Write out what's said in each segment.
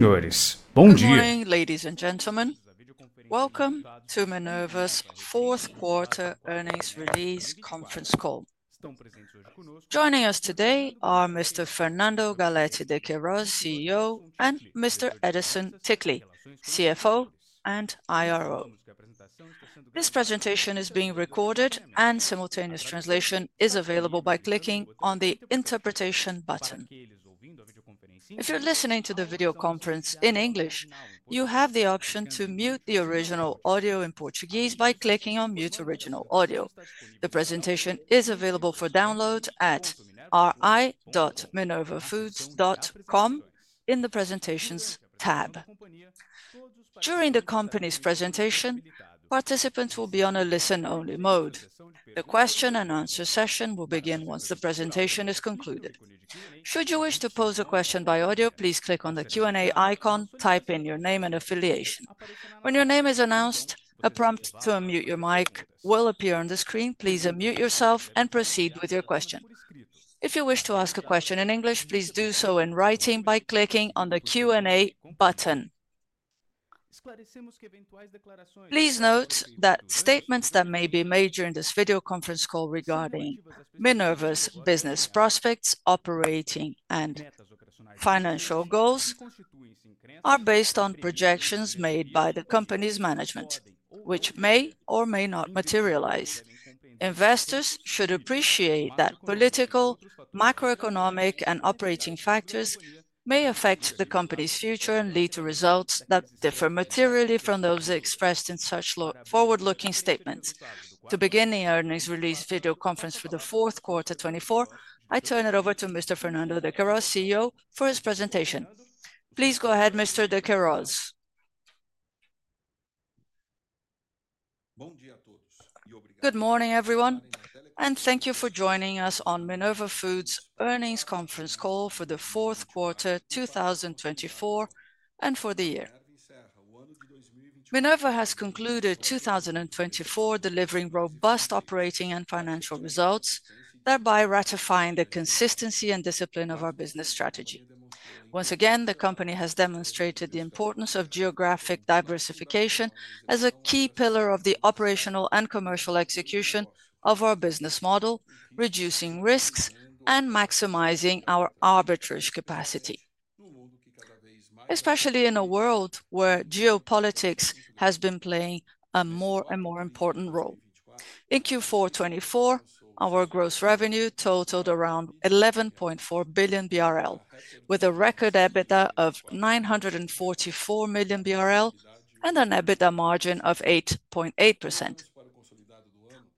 Senhores, bom dia. Good morning, ladies and gentlemen. Welcome to Minerva's fourth quarter earnings release conference call. Joining us today are Mr. Fernando Galletti de Queiroz, CEO, and Mr. Edison Tickley, CFO and IRO. This presentation is being recorded, and simultaneous translation is available by clicking on the interpretation button. If you're listening to the video conference in English, you have the option to mute the original audio in Portuguese by clicking on "Mute Original Audio." The presentation is available for download at ri.minervafoods.com in the Presentations tab. During the company's presentation, participants will be on a listen-only mode. The question-and-answer session will begin once the presentation is concluded. Should you wish to pose a question by audio, please click on the Q&A icon, type in your name and affiliation. When your name is announced, a prompt to unmute your mic will appear on the screen. Please unmute yourself and proceed with your question. If you wish to ask a question in English, please do so in writing by clicking on the Q&A button. Please note that statements that may be made during this video conference call regarding Minerva's business prospects, operating, and financial goals are based on projections made by the company's management, which may or may not materialize. Investors should appreciate that political, macroeconomic, and operating factors may affect the company's future and lead to results that differ materially from those expressed in such forward-looking statements. To begin the earnings release video conference for the fourth quarter 2024, I turn it over to Fernando Galletti de Queiroz, CEO, for his presentation. Please go ahead, Mr. Galetti de Queiroz. Bom dia a todos. Good morning, everyone, and thank you for joining us on Minerva Foods' earnings conference call for the fourth quarter 2024 and for the year. Minerva has concluded 2024, delivering robust operating and financial results, thereby ratifying the consistency and discipline of our business strategy. Once again, the company has demonstrated the importance of geographic diversification as a key pillar of the operational and commercial execution of our business model, reducing risks and maximizing our arbitrage capacity, especially in a world where geopolitics has been playing a more and more important role. In Q4 2024, our gross revenue totaled around 11.4 billion BRL, with a record EBITDA of 944 million BRL and an EBITDA margin of 8.8%.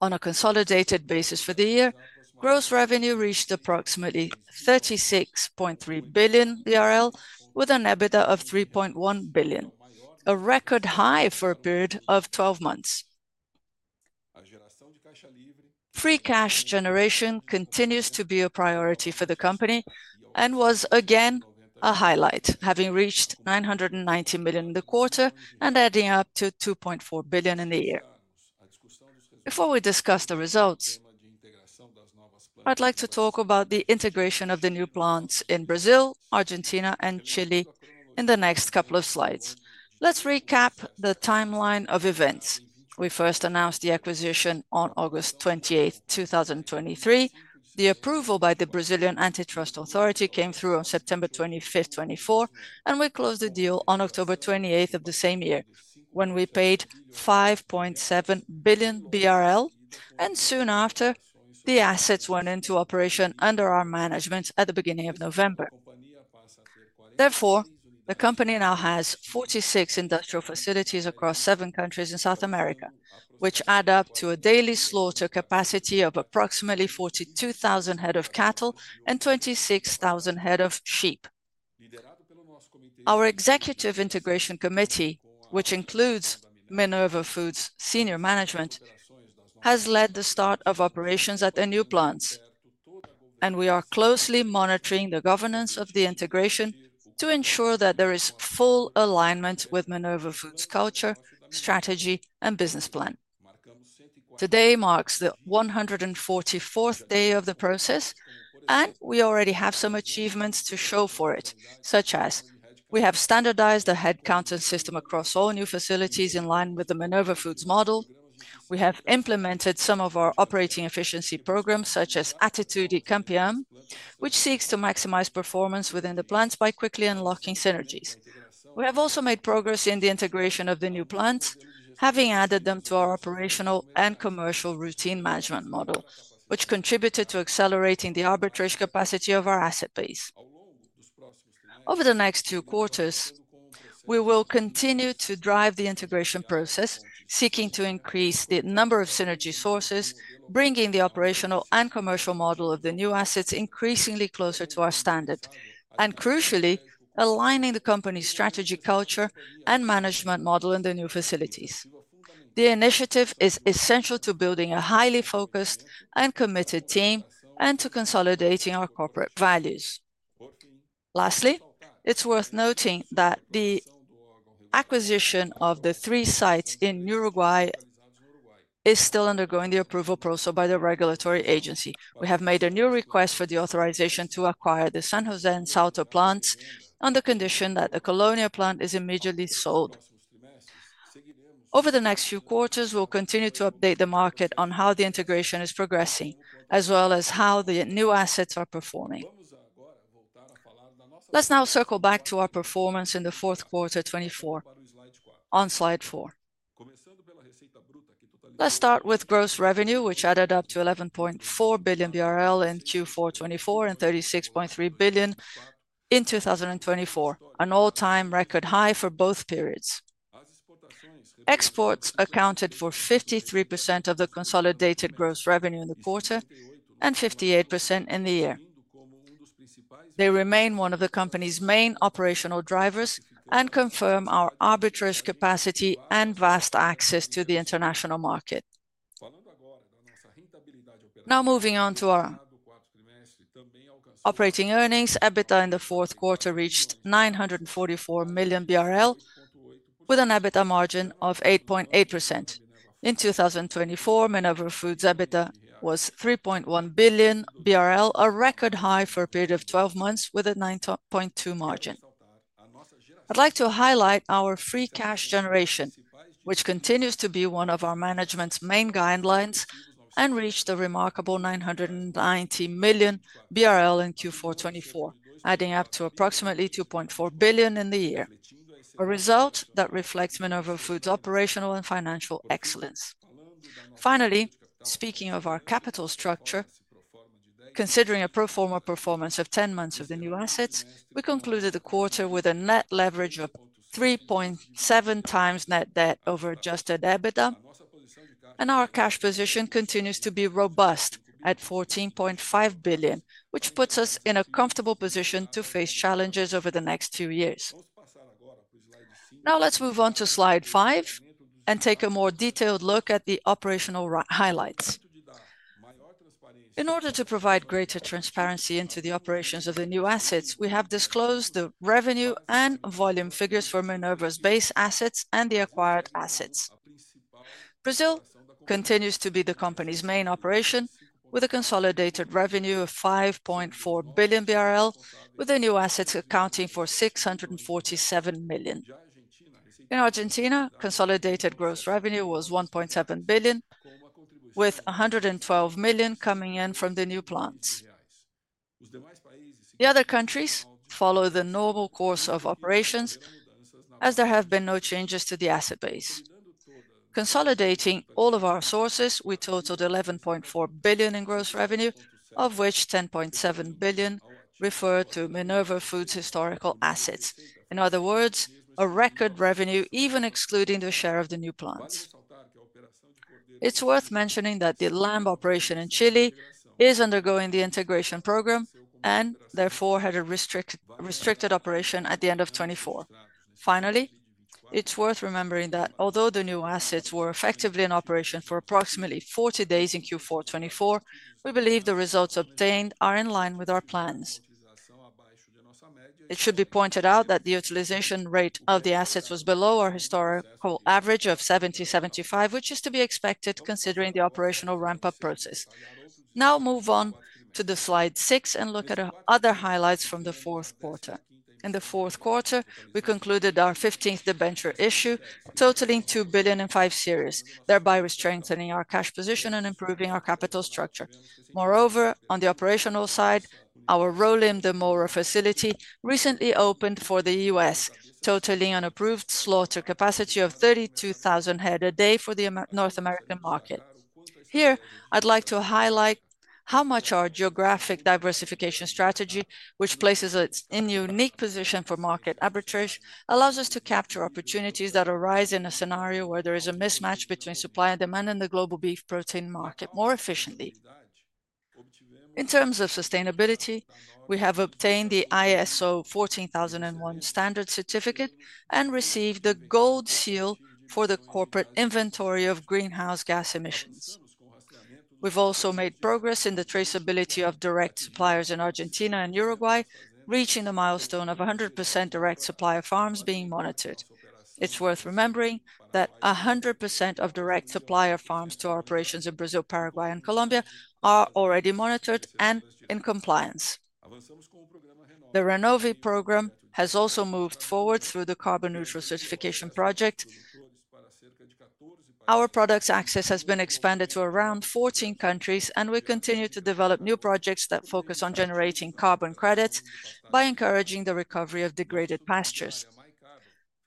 On a consolidated basis for the year, gross revenue reached approximately 36.3 billion, with an EBITDA of 3.1 billion, a record high for a period of 12 months. Free cash generation continues to be a priority for the company and was again a highlight, having reached 990 million in the quarter and adding up to 2.4 billion in the year. Before we discuss the results, I'd like to talk about the integration of the new plants in Brazil, Argentina, and Chile in the next couple of slides. Let's recap the timeline of events. We first announced the acquisition on August 28, 2023. The approval by the Brazilian Antitrust Authority came through on September 25, 2024, and we closed the deal on October 28 of the same year, when we paid 5.7 billion BRL. Soon after, the assets went into operation under our management at the beginning of November. Therefore, the company now has 46 industrial facilities across seven countries in South America, which add up to a daily slaughter capacity of approximately 42,000 head of cattle and 26,000 head of sheep. Our executive integration committee, which includes Minerva Foods' senior management, has led the start of operations at the new plants, and we are closely monitoring the governance of the integration to ensure that there is full alignment with Minerva Foods' culture, strategy, and business plan. Today marks the 144th day of the process, and we already have some achievements to show for it, such as we have standardized the head counting system across all new facilities in line with the Minerva Foods model. We have implemented some of our operating efficiency programs, such as Attitude Ecampeã, which seeks to maximize performance within the plants by quickly unlocking synergies. We have also made progress in the integration of the new plants, having added them to our operational and commercial routine management model, which contributed to accelerating the arbitrage capacity of our asset base. Over the next two quarters, we will continue to drive the integration process, seeking to increase the number of synergy sources, bringing the operational and commercial model of the new assets increasingly closer to our standard, and crucially, aligning the company's strategy, culture, and management model in the new facilities. The initiative is essential to building a highly focused and committed team and to consolidating our corporate values. Lastly, it's worth noting that the acquisition of the three sites in Uruguay is still undergoing the approval process by the regulatory agency. We have made a new request for the authorization to acquire the San José and Salto plants on the condition that the Colonia plant is immediately sold. Over the next few quarters, we'll continue to update the market on how the integration is progressing, as well as how the new assets are performing. Let's now circle back to our performance in the fourth quarter 2024 on slide four. Let's start with gross revenue, which added up to 11.4 billion BRL in Q4 2024 and 36.3 billion in 2024, an all-time record high for both periods. Exports accounted for 53% of the consolidated gross revenue in the quarter and 58% in the year. They remain one of the company's main operational drivers and confirm our arbitrage capacity and vast access to the international market. Now moving on to our operating earnings, EBITDA in the fourth quarter reached 944 million BRL, with an EBITDA margin of 8.8%. In 2024, Minerva Foods' EBITDA was 3.1 billion BRL, a record high for a period of 12 months with a 9.2% margin. I'd like to highlight our free cash generation, which continues to be one of our management's main guidelines and reached a remarkable 990 million BRL in Q4 2024, adding up to approximately 2.4 billion in the year, a result that reflects Minerva Foods' operational and financial excellence. Finally, speaking of our capital structure, considering a pro forma performance of 10 months of the new assets, we concluded the quarter with a net leverage of 3.7 times net debt over adjusted EBITDA, and our cash position continues to be robust at 14.5 billion, which puts us in a comfortable position to face challenges over the next two years. Now let's move on to slide five and take a more detailed look at the operational highlights. In order to provide greater transparency into the operations of the new assets, we have disclosed the revenue and volume figures for Minerva's base assets and the acquired assets. Brazil continues to be the company's main operation, with a consolidated revenue of 5.4 billion BRL, with the new assets accounting for 647 million. In Argentina, consolidated gross revenue was 1.7 billion, with 112 million coming in from the new plants. The other countries follow the normal course of operations, as there have been no changes to the asset base. Consolidating all of our sources, we totaled 11.4 billion in gross revenue, of which 10.7 billion referred to Minerva Foods' historical assets. In other words, a record revenue, even excluding the share of the new plants. It's worth mentioning that the Lamb operation in Chile is undergoing the integration program and therefore had a restricted operation at the end of 2024. Finally, it's worth remembering that although the new assets were effectively in operation for approximately 40 days in Q4 2024, we believe the results obtained are in line with our plans. It should be pointed out that the utilization rate of the assets was below our historical average of 70-75%, which is to be expected considering the operational ramp-up process. Now move on to slide six and look at other highlights from the fourth quarter. In the fourth quarter, we concluded our 15th debenture issue, totaling 2 billion in five series, thereby strengthening our cash position and improving our capital structure. Moreover, on the operational side, our Rólim de Moura facility recently opened for the US, totaling an approved slaughter capacity of 32,000 head a day for the North American market. Here, I'd like to highlight how much our geographic diversification strategy, which places us in a unique position for market arbitrage, allows us to capture opportunities that arise in a scenario where there is a mismatch between supply and demand in the global beef protein market more efficiently. In terms of sustainability, we have obtained the ISO 14001 standard certificate and received the gold seal for the corporate inventory of greenhouse gas emissions. We've also made progress in the traceability of direct suppliers in Argentina and Uruguay, reaching the milestone of 100% direct supply of farms being monitored. It's worth remembering that 100% of direct supply of farms to our operations in Brazil, Paraguay, and Colombia are already monitored and in compliance. The Rénova program has also moved forward through the carbon neutral certification project. Our products access has been expanded to around 14 countries, and we continue to develop new projects that focus on generating carbon credits by encouraging the recovery of degraded pastures.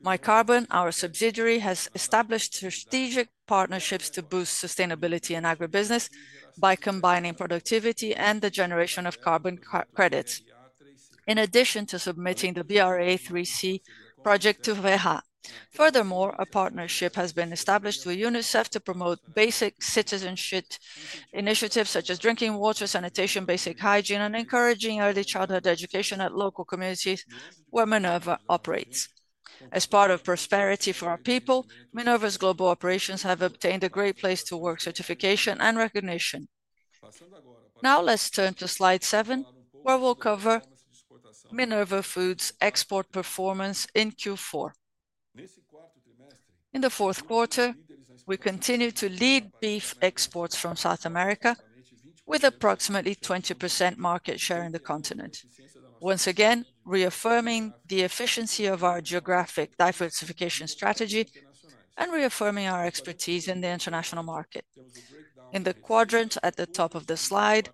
MyCarbon, our subsidiary, has established strategic partnerships to boost sustainability in agribusiness by combining productivity and the generation of carbon credits, in addition to submitting the BRA3C project to VEHA. Furthermore, a partnership has been established with UNICEF to promote basic citizenship initiatives such as drinking water, sanitation, basic hygiene, and encouraging early childhood education at local communities where Minerva operates. As part of prosperity for our people, Minerva's global operations have obtained a Great Place to Work certification and recognition. Now let's turn to slide seven, where we'll cover Minerva Foods' export performance in Q4. In the fourth quarter, we continue to lead beef exports from South America, with approximately 20% market share in the continent, once again reaffirming the efficiency of our geographic diversification strategy and reaffirming our expertise in the international market. In the quadrant at the top of the slide,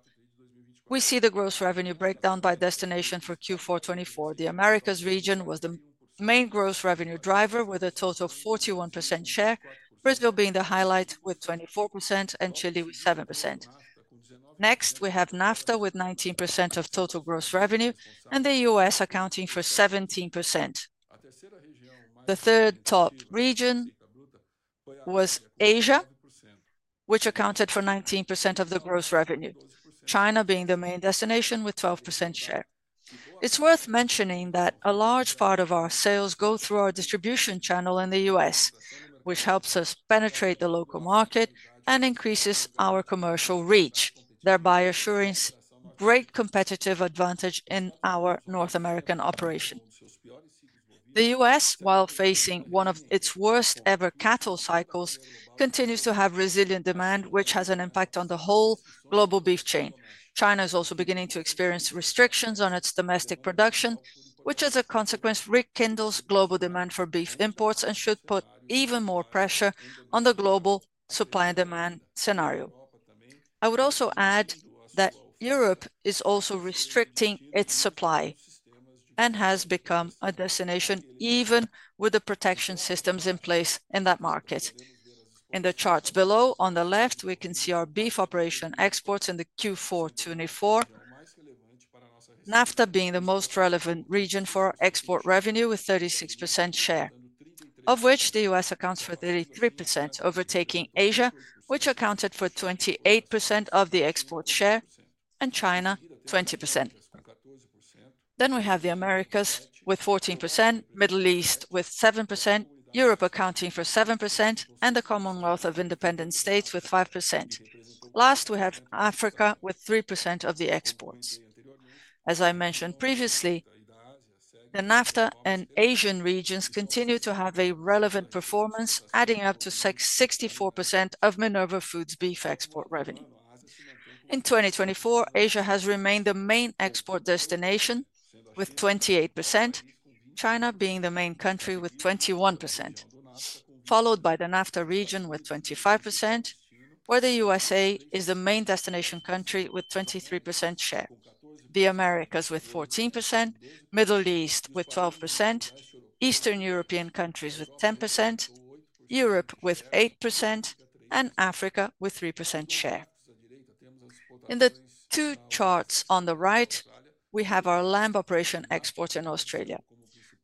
we see the gross revenue breakdown by destination for Q4 2024. The Americas region was the main gross revenue driver, with a total of 41% share, Brazil being the highlight with 24% and Chile with 7%. Next, we have NAFTA with 19% of total gross revenue, and the US accounting for 17%. The third top region was Asia, which accounted for 19% of the gross revenue, China being the main destination with 12% share. It's worth mentioning that a large part of our sales go through our distribution channel in the US, which helps us penetrate the local market and increases our commercial reach, thereby assuring great competitive advantage in our North American operation. The US, while facing one of its worst-ever cattle cycles, continues to have resilient demand, which has an impact on the whole global beef chain. China is also beginning to experience restrictions on its domestic production, which as a consequence rekindles global demand for beef imports and should put even more pressure on the global supply and demand scenario. I would also add that Europe is also restricting its supply and has become a destination even with the protection systems in place in that market. In the charts below on the left, we can see our beef operation exports in the Q4 2024, NAFTA being the most relevant region for export revenue with 36% share, of which the US accounts for 33%, overtaking Asia, which accounted for 28% of the export share, and China, 20%. We have the Americas with 14%, Middle East with 7%, Europe accounting for 7%, and the Commonwealth of Independent States with 5%. Last, we have Africa with 3% of the exports. As I mentioned previously, the NAFTA and Asian regions continue to have a relevant performance, adding up to 64% of Minerva Foods' beef export revenue. In 2024, Asia has remained the main export destination with 28%, China being the main country with 21%, followed by the NAFTA region with 25%, where the US is the main destination country with 23% share, the Americas with 14%, Middle East with 12%, Eastern European countries with 10%, Europe with 8%, and Africa with 3% share. In the two charts on the right, we have our Lamb operation exports in Australia.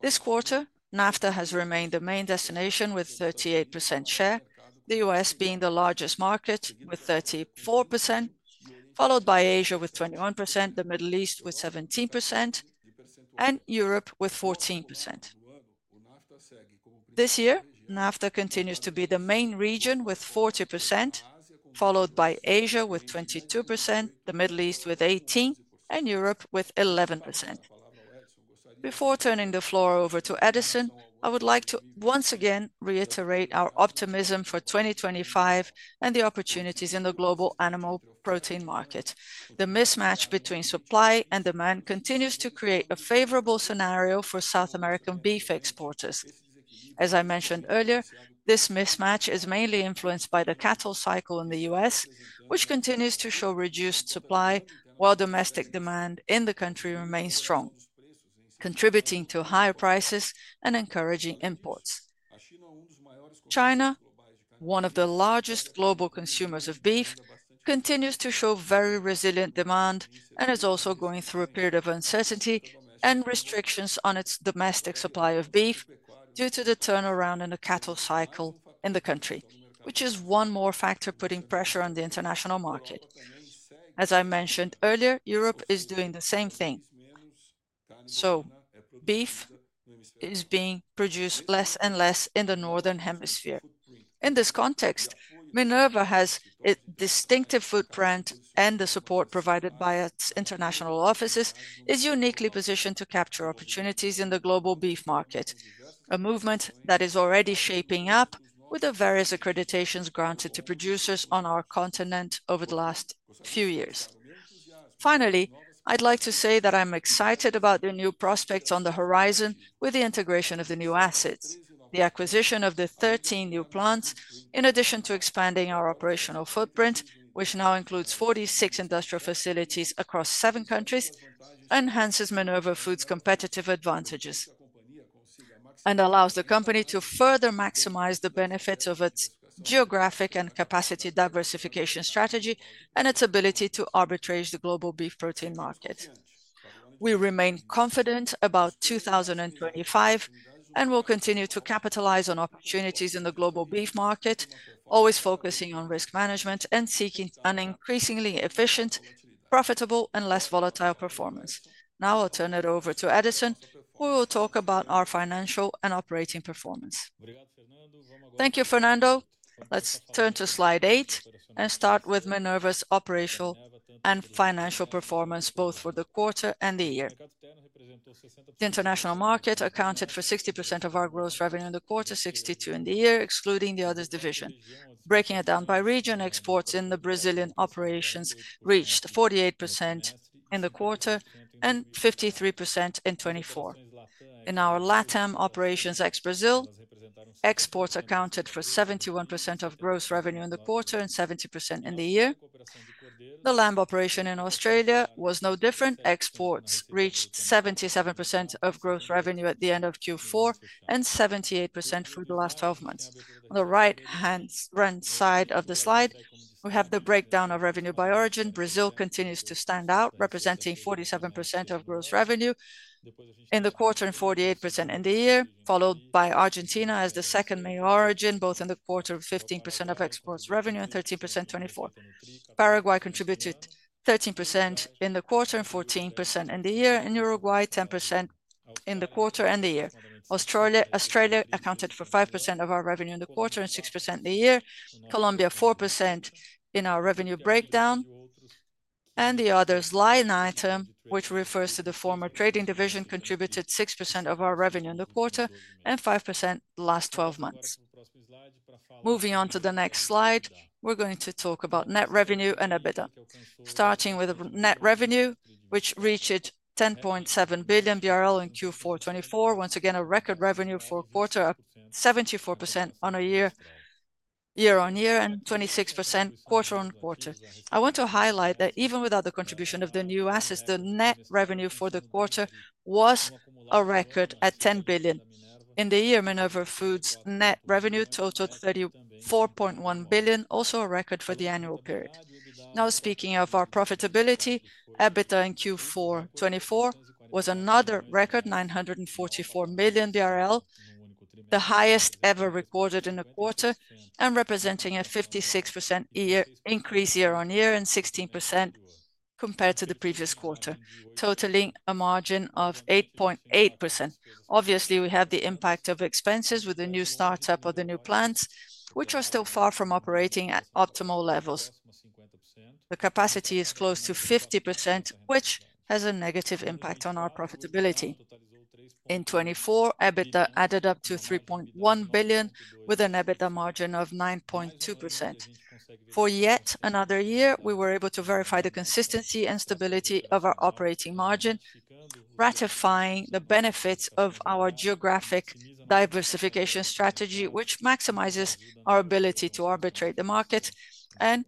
This quarter, NAFTA has remained the main destination with 38% share, the US being the largest market with 34%, followed by Asia with 21%, the Middle East with 17%, and Europe with 14%. This year, NAFTA continues to be the main region with 40%, followed by Asia with 22%, the Middle East with 18%, and Europe with 11%. Before turning the floor over to Edison, I would like to once again reiterate our optimism for 2025 and the opportunities in the global animal protein market. The mismatch between supply and demand continues to create a favorable scenario for South American beef exporters. As I mentioned earlier, this mismatch is mainly influenced by the cattle cycle in the U.S., which continues to show reduced supply while domestic demand in the country remains strong, contributing to higher prices and encouraging imports. China, one of the largest global consumers of beef, continues to show very resilient demand and is also going through a period of uncertainty and restrictions on its domestic supply of beef due to the turnaround in the cattle cycle in the country, which is one more factor putting pressure on the international market. As I mentioned earlier, Europe is doing the same thing. Beef is being produced less and less in the northern hemisphere. In this context, Minerva has a distinctive footprint, and the support provided by its international offices is uniquely positioned to capture opportunities in the global beef market, a movement that is already shaping up with the various accreditations granted to producers on our continent over the last few years. Finally, I'd like to say that I'm excited about the new prospects on the horizon with the integration of the new assets, the acquisition of the 13 new plants, in addition to expanding our operational footprint, which now includes 46 industrial facilities across seven countries, enhances Minerva Foods' competitive advantages and allows the company to further maximize the benefits of its geographic and capacity diversification strategy and its ability to arbitrage the global beef protein market. We remain confident about 2025 and will continue to capitalize on opportunities in the global beef market, always focusing on risk management and seeking an increasingly efficient, profitable, and less volatile performance. Now I'll turn it over to Edison, who will talk about our financial and operating performance. Thank you, Fernando. Let's turn to slide eight and start with Minerva's operational and financial performance both for the quarter and the year. The international market accounted for 60% of our gross revenue in the quarter, 62% in the year, excluding the other division. Breaking it down by region, exports in the Brazilian operations reached 48% in the quarter and 53% in 2024. In our LATAM operations ex-Brazil, exports accounted for 71% of gross revenue in the quarter and 70% in the year. The Lamb operation in Australia was no different. Exports reached 77% of gross revenue at the end of Q4 and 78% for the last 12 months. On the right-hand side of the slide, we have the breakdown of revenue by origin. Brazil continues to stand out, representing 47% of gross revenue in the quarter and 48% in the year, followed by Argentina as the second major origin, both in the quarter of 15% of exports revenue and 13% in 2024. Paraguay contributed 13% in the quarter and 14% in the year, and Uruguay 10% in the quarter and the year. Australia accounted for 5% of our revenue in the quarter and 6% in the year. Colombia 4% in our revenue breakdown. The others, Linaitem, which refers to the former trading division, contributed 6% of our revenue in the quarter and 5% the last 12 months. Moving on to the next slide, we're going to talk about net revenue and EBITDA, starting with net revenue, which reached 10.7 billion BRL in Q4 2024, once again a record revenue for a quarter of 74% year on year and 26% quarter on quarter. I want to highlight that even without the contribution of the new assets, the net revenue for the quarter was a record at 10 billion. In the year, Minerva Foods' net revenue totaled 34.1 billion, also a record for the annual period. Now speaking of our profitability, EBITDA in Q4 2024 was another record, 944 million, the highest ever recorded in a quarter and representing a 56% increase year on year and 16% compared to the previous quarter, totaling a margin of 8.8%. Obviously, we have the impact of expenses with the new startup or the new plants, which are still far from operating at optimal levels. The capacity is close to 50%, which has a negative impact on our profitability. In 2024, EBITDA added up to $3.1 billion with an EBITDA margin of 9.2%. For yet another year, we were able to verify the consistency and stability of our operating margin, ratifying the benefits of our geographic diversification strategy, which maximizes our ability to arbitrate the market and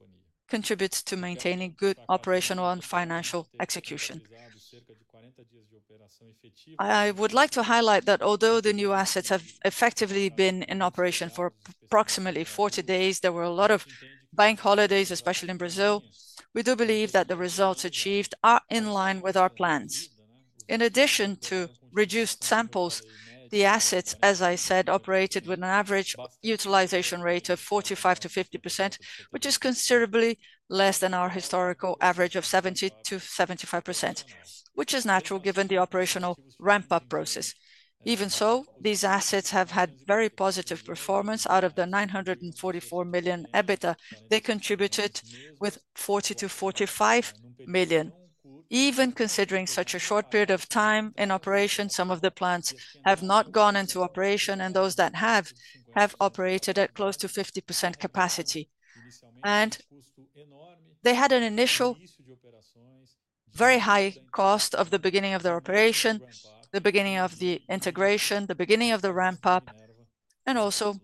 contributes to maintaining good operational and financial execution. I would like to highlight that although the new assets have effectively been in operation for approximately 40 days, there were a lot of bank holidays, especially in Brazil. We do believe that the results achieved are in line with our plans. In addition to reduced samples, the assets, as I said, operated with an average utilization rate of 45%-50%, which is considerably less than our historical average of 70%-75%, which is natural given the operational ramp-up process. Even so, these assets have had very positive performance. Out of the $944 million EBITDA, they contributed with $40 million-$45 million. Even considering such a short period of time in operation, some of the plants have not gone into operation, and those that have have operated at close to 50% capacity. They had an initial very high cost of the beginning of their operation, the beginning of the integration, the beginning of the ramp-up, and also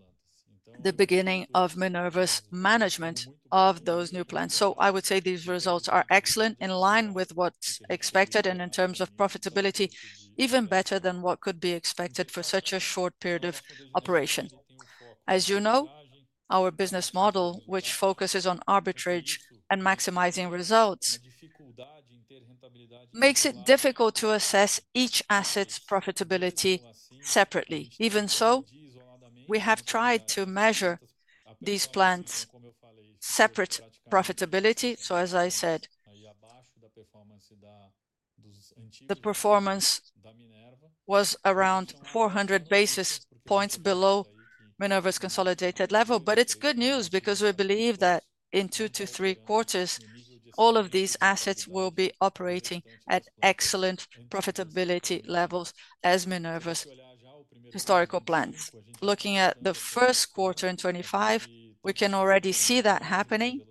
the beginning of Minerva's management of those new plants. I would say these results are excellent, in line with what's expected, and in terms of profitability, even better than what could be expected for such a short period of operation. As you know, our business model, which focuses on arbitrage and maximizing results, makes it difficult to assess each asset's profitability separately. Even so, we have tried to measure these plants' separate profitability. As I said, the performance was around 400 basis points below Minerva's consolidated level, but it's good news because we believe that in two to three quarters, all of these assets will be operating at excellent profitability levels as Minerva's historical plants. Looking at the first quarter in 2025, we can already see that happening.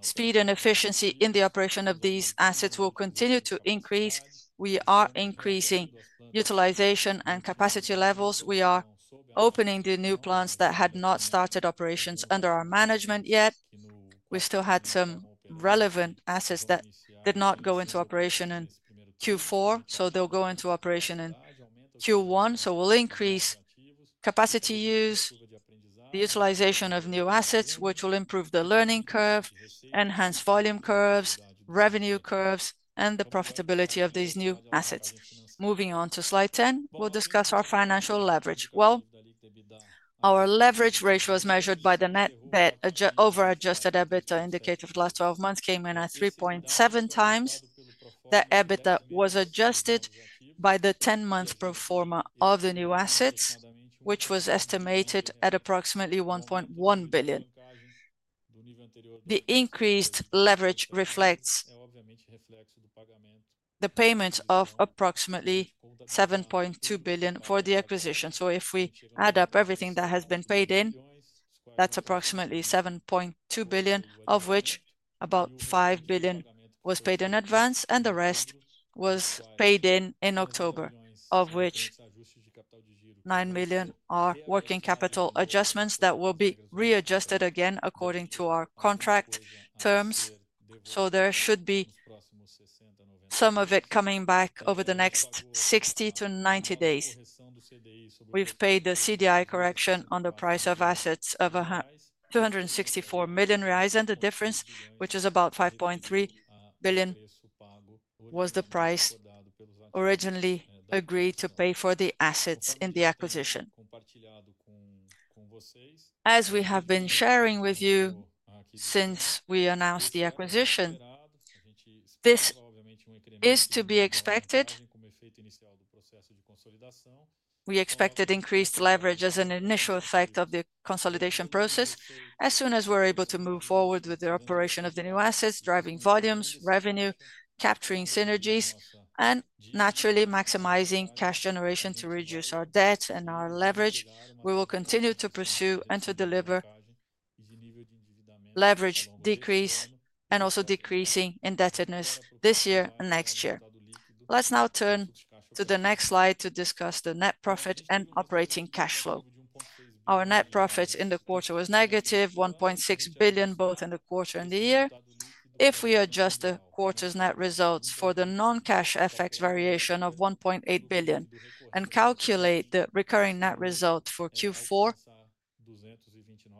Speed and efficiency in the operation of these assets will continue to increase. We are increasing utilization and capacity levels. We are opening the new plants that had not started operations under our management yet. We still had some relevant assets that did not go into operation in Q4, so they will go into operation in Q1. We will increase capacity use, the utilization of new assets, which will improve the learning curve, enhance volume curves, revenue curves, and the profitability of these new assets. Moving on to slide 10, we will discuss our financial leverage. Our leverage ratio as measured by the net over adjusted EBITDA indicator for the last 12 months came in at 3.7 times. The EBITDA was adjusted by the 10-month pro forma of the new assets, which was estimated at approximately 1.1 billion. The increased leverage reflects the payment of approximately 7.2 billion for the acquisition. If we add up everything that has been paid in, that's approximately 7.2 billion, of which about 5 billion was paid in advance and the rest was paid in in October, of which 9 million are working capital adjustments that will be readjusted again according to our contract terms. There should be some of it coming back over the next 60-90 days. We've paid the CDI correction on the price of assets of 264 million reais, and the difference, which is about 5.3 billion, was the price originally agreed to pay for the assets in the acquisition. As we have been sharing with you since we announced the acquisition, this is to be expected. We expected increased leverage as an initial effect of the consolidation process. As soon as we're able to move forward with the operation of the new assets, driving volumes, revenue, capturing synergies, and naturally maximizing cash generation to reduce our debt and our leverage, we will continue to pursue and to deliver leverage decrease and also decreasing indebtedness this year and next year. Let's now turn to the next slide to discuss the net profit and operating cash flow. Our net profit in the quarter was negative 1.6 billion both in the quarter and the year. If we adjust the quarter's net results for the non-cash FX variation of 1.8 billion and calculate the recurring net result for Q4,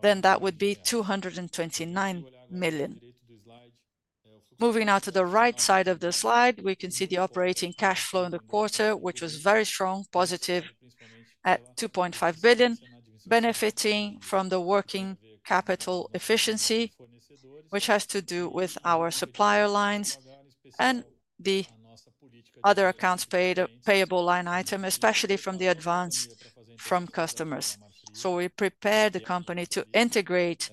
then that would be 229 million. Moving out to the right side of the slide, we can see the operating cash flow in the quarter, which was very strong, positive at 2.5 billion, benefiting from the working capital efficiency, which has to do with our supplier lines and the other accounts payable line item, especially from the advance from customers. We prepared the company to integrate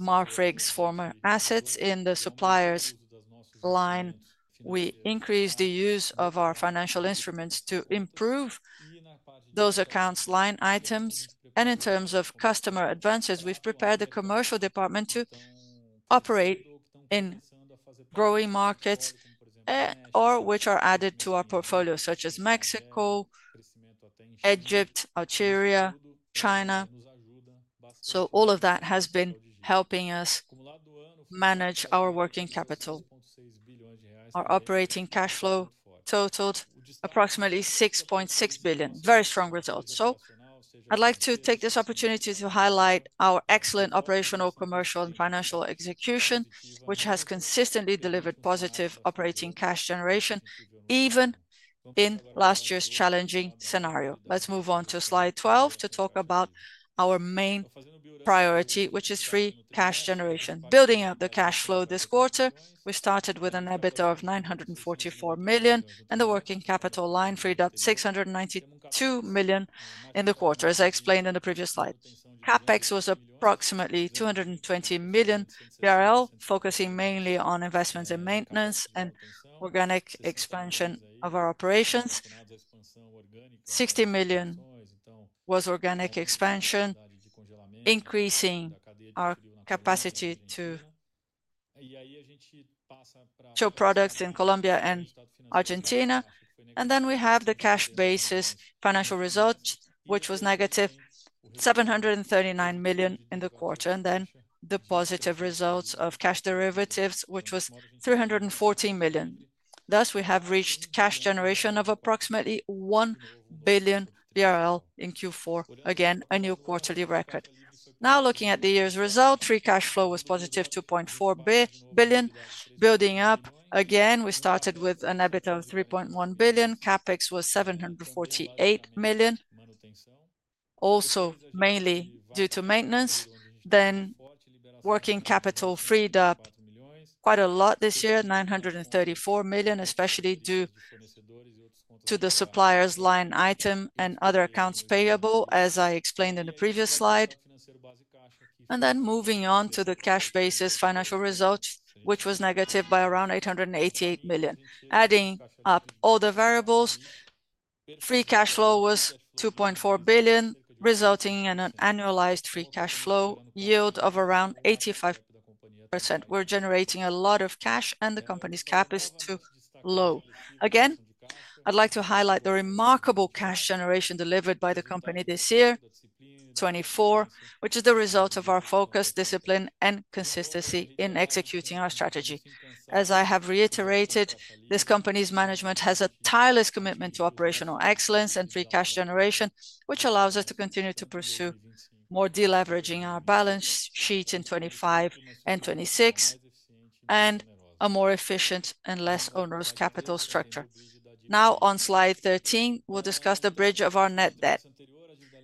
Marfrig's former assets in the supplier's line. We increased the use of our financial instruments to improve those accounts line items. In terms of customer advances, we have prepared the commercial department to operate in growing markets or which are added to our portfolio, such as Mexico, Egypt, Algeria, China. All of that has been helping us manage our working capital. Our operating cash flow totaled approximately 6.6 billion. Very strong results. I would like to take this opportunity to highlight our excellent operational, commercial, and financial execution, which has consistently delivered positive operating cash generation even in last year's challenging scenario. Let's move on to slide 12 to talk about our main priority, which is free cash generation. Building up the cash flow this quarter, we started with an EBITDA of 944 million and the working capital line freed up 692 million in the quarter, as I explained in the previous slide. CapEx was approximately 220 million, focusing mainly on investments in maintenance and organic expansion of our operations. 60 million was organic expansion, increasing our capacity to show products in Colombia and Argentina. We have the cash basis financial result, which was negative 739 million in the quarter. The positive results of cash derivatives were 314 million. Thus, we have reached cash generation of approximately 1 billion BRL in Q4, again a new quarterly record. Now looking at the year's result, free cash flow was positive 2.4 billion. Building up again, we started with an EBITDA of 3.1 billion. CapEx was 748 million, also mainly due to maintenance. Working capital freed up quite a lot this year, 934 million, especially due to the supplier's line item and other accounts payable, as I explained in the previous slide. Moving on to the cash basis financial result, which was negative by around 888 million. Adding up all the variables, free cash flow was 2.4 billion, resulting in an annualized free cash flow yield of around 85%. We're generating a lot of cash, and the company's cap is too low. Again, I'd like to highlight the remarkable cash generation delivered by the company this year, 2024, which is the result of our focus, discipline, and consistency in executing our strategy. As I have reiterated, this company's management has a tireless commitment to operational excellence and free cash generation, which allows us to continue to pursue more deleveraging in our balance sheet in 2025 and 2026, and a more efficient and less onerous capital structure. Now, on slide 13, we'll discuss the bridge of our net debt.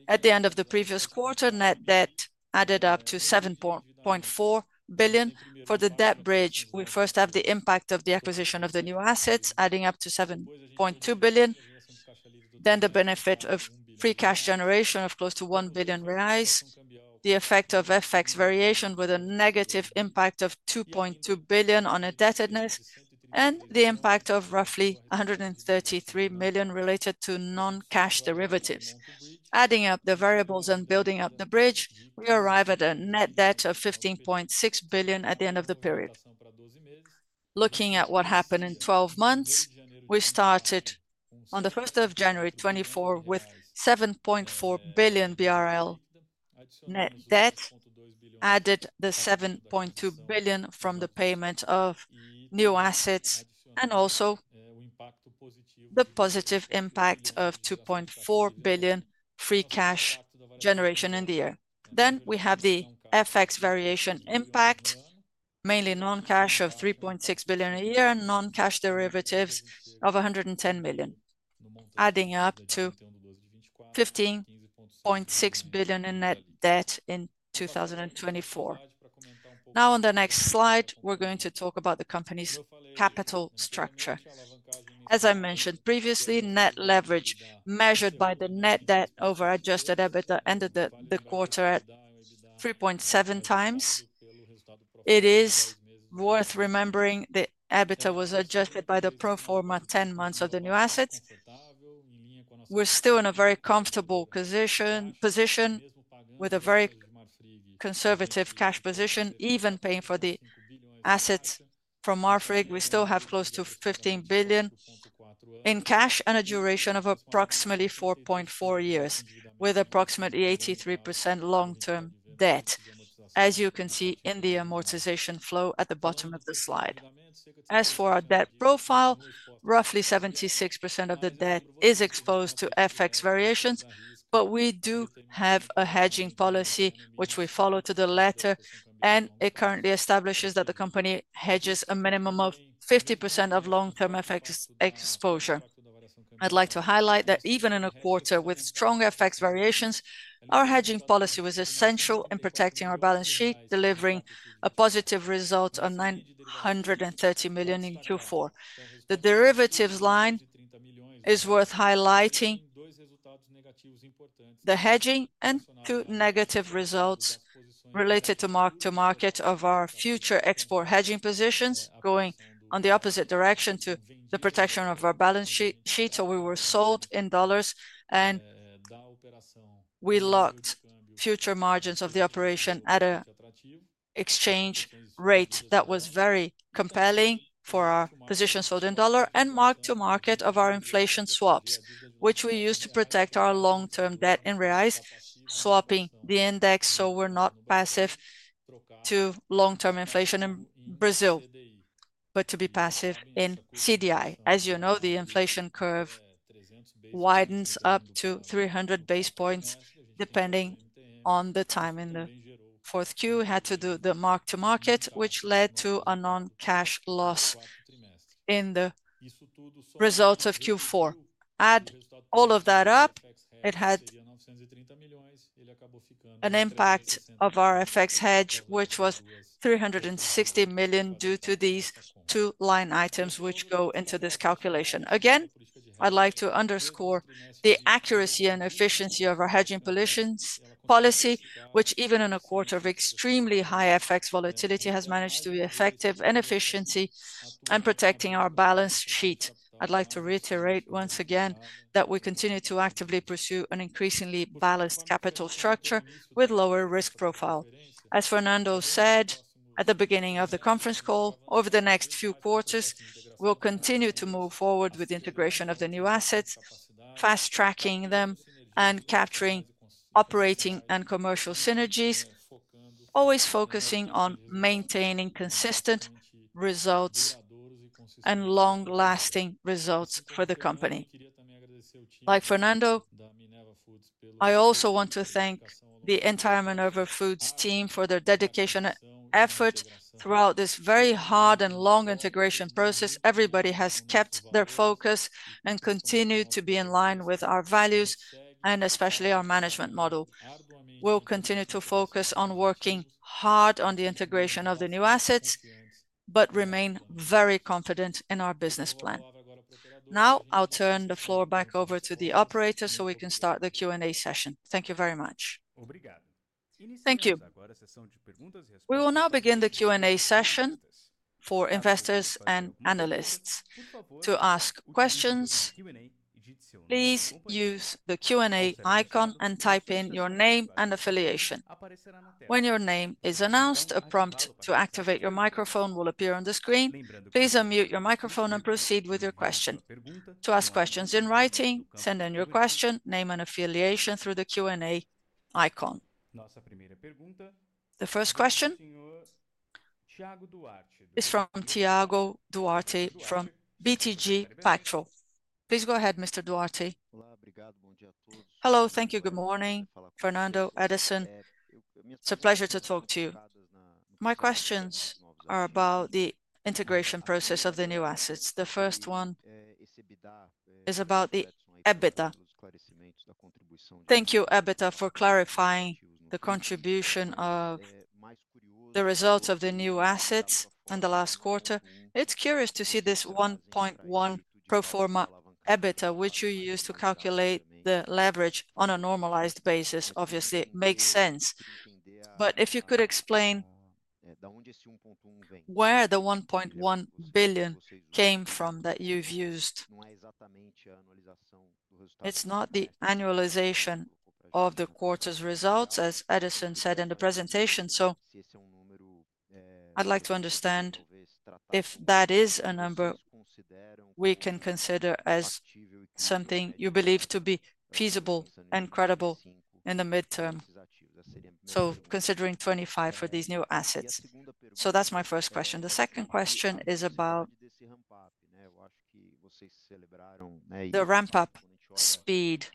At the end of the previous quarter, net debt added up to 7.4 billion. For the debt bridge, we first have the impact of the acquisition of the new assets, adding up to 7.2 billion. The benefit of free cash generation of close to 1 billion reais, the effect of FX variation with a negative impact of 2.2 billion on indebtedness, and the impact of roughly 133 million related to non-cash derivatives. Adding up the variables and building up the bridge, we arrive at a net debt of 15.6 billion at the end of the period. Looking at what happened in 12 months, we started on the 1st of January, 2024, with 7.4 billion BRL net debt, added the 7.2 billion from the payment of new assets, and also the positive impact of 2.4 billion free cash generation in the year. We have the FX variation impact, mainly non-cash of 3.6 billion a year, non-cash derivatives of 110 million, adding up to 15.6 billion in net debt in 2024. Now, on the next slide, we're going to talk about the company's capital structure. As I mentioned previously, net leverage measured by the net debt over adjusted EBITDA ended the quarter at 3.7 times. It is worth remembering the EBITDA was adjusted by the proforma 10 months of the new assets. We're still in a very comfortable position with a very conservative cash position, even paying for the assets from Marfrig. We still have close to 15 billion in cash and a duration of approximately 4.4 years, with approximately 83% long-term debt, as you can see in the amortization flow at the bottom of the slide. As for our debt profile, roughly 76% of the debt is exposed to FX variations, but we do have a hedging policy which we follow to the letter, and it currently establishes that the company hedges a minimum of 50% of long-term FX exposure. I'd like to highlight that even in a quarter with strong FX variations, our hedging policy was essential in protecting our balance sheet, delivering a positive result on 930 million in Q4. The derivatives line is worth highlighting, the hedging and two negative results related to mark-to-market of our future export hedging positions, going on the opposite direction to the protection of our balance sheet. We were sold in dollars, and we locked future margins of the operation at an exchange rate that was very compelling for our positions sold in dollar and mark-to-market of our inflation swaps, which we use to protect our long-term debt in reais, swapping the index so we're not passive to long-term inflation in Brazil, but to be passive in CDI. As you know, the inflation curve widens up to 300 basis points depending on the time in the fourth Q had to do the mark to market, which led to a non-cash loss in the results of Q4. Add all of that up, it had an impact of our FX hedge, which was 360 million due to these two line items which go into this calculation. Again, I'd like to underscore the accuracy and efficiency of our hedging policies, which even in a quarter of extremely high FX volatility has managed to be effective and efficient in protecting our balance sheet. I'd like to reiterate once again that we continue to actively pursue an increasingly balanced capital structure with lower risk profile. As Fernando said at the beginning of the conference call, over the next few quarters, we'll continue to move forward with the integration of the new assets, fast tracking them and capturing operating and commercial synergies, always focusing on maintaining consistent results and long-lasting results for the company. Like Fernando, I also want to thank the entire Minerva Foods team for their dedication and effort throughout this very hard and long integration process. Everybody has kept their focus and continued to be in line with our values and especially our management model. We'll continue to focus on working hard on the integration of the new assets, but remain very confident in our business plan. Now I'll turn the floor back over to the operator so we can start the Q&A session. Thank you very much. Thank you. We will now begin the Q&A session for investors and analysts to ask questions. Please use the Q&A icon and type in your name and affiliation. When your name is announced, a prompt to activate your microphone will appear on the screen. Please unmute your microphone and proceed with your question. To ask questions in writing, send in your question, name, and affiliation through the Q&A icon. The first question is from Tiago Duarte from BTG Pactual. Please go ahead, Mr. Duarte. Hello, thank you, good morning. Fernando, Edison, it's a pleasure to talk to you. My questions are about the integration process of the new assets. The first one is about the EBITDA. Thank you, EBITDA, for clarifying the contribution of the results of the new assets in the last quarter. It's curious to see this $1.1 billion proforma EBITDA, which you use to calculate the leverage on a normalized basis. Obviously, it makes sense, but if you could explain where the $1.1 billion came from that you've used, it's not the annualization of the quarter's results, as Edison said in the presentation. I would like to understand if that is a number we can consider as something you believe to be feasible and credible in the midterm. Considering 2025 for these new assets, that's my first question. The second question is about the ramp-up. The ramp-up speed,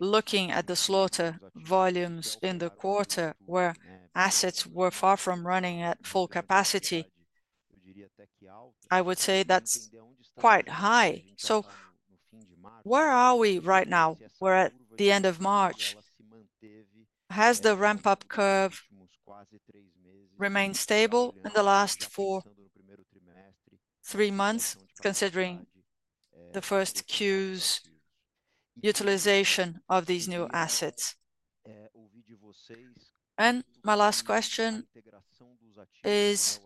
looking at the slaughter volumes in the quarter where assets were far from running at full capacity, I would say that's quite high. Where are we right now? We're at the end of March. Has the ramp-up curve remained stable in the last four to three months? Considering the first Q's utilization of these new assets. My last question is,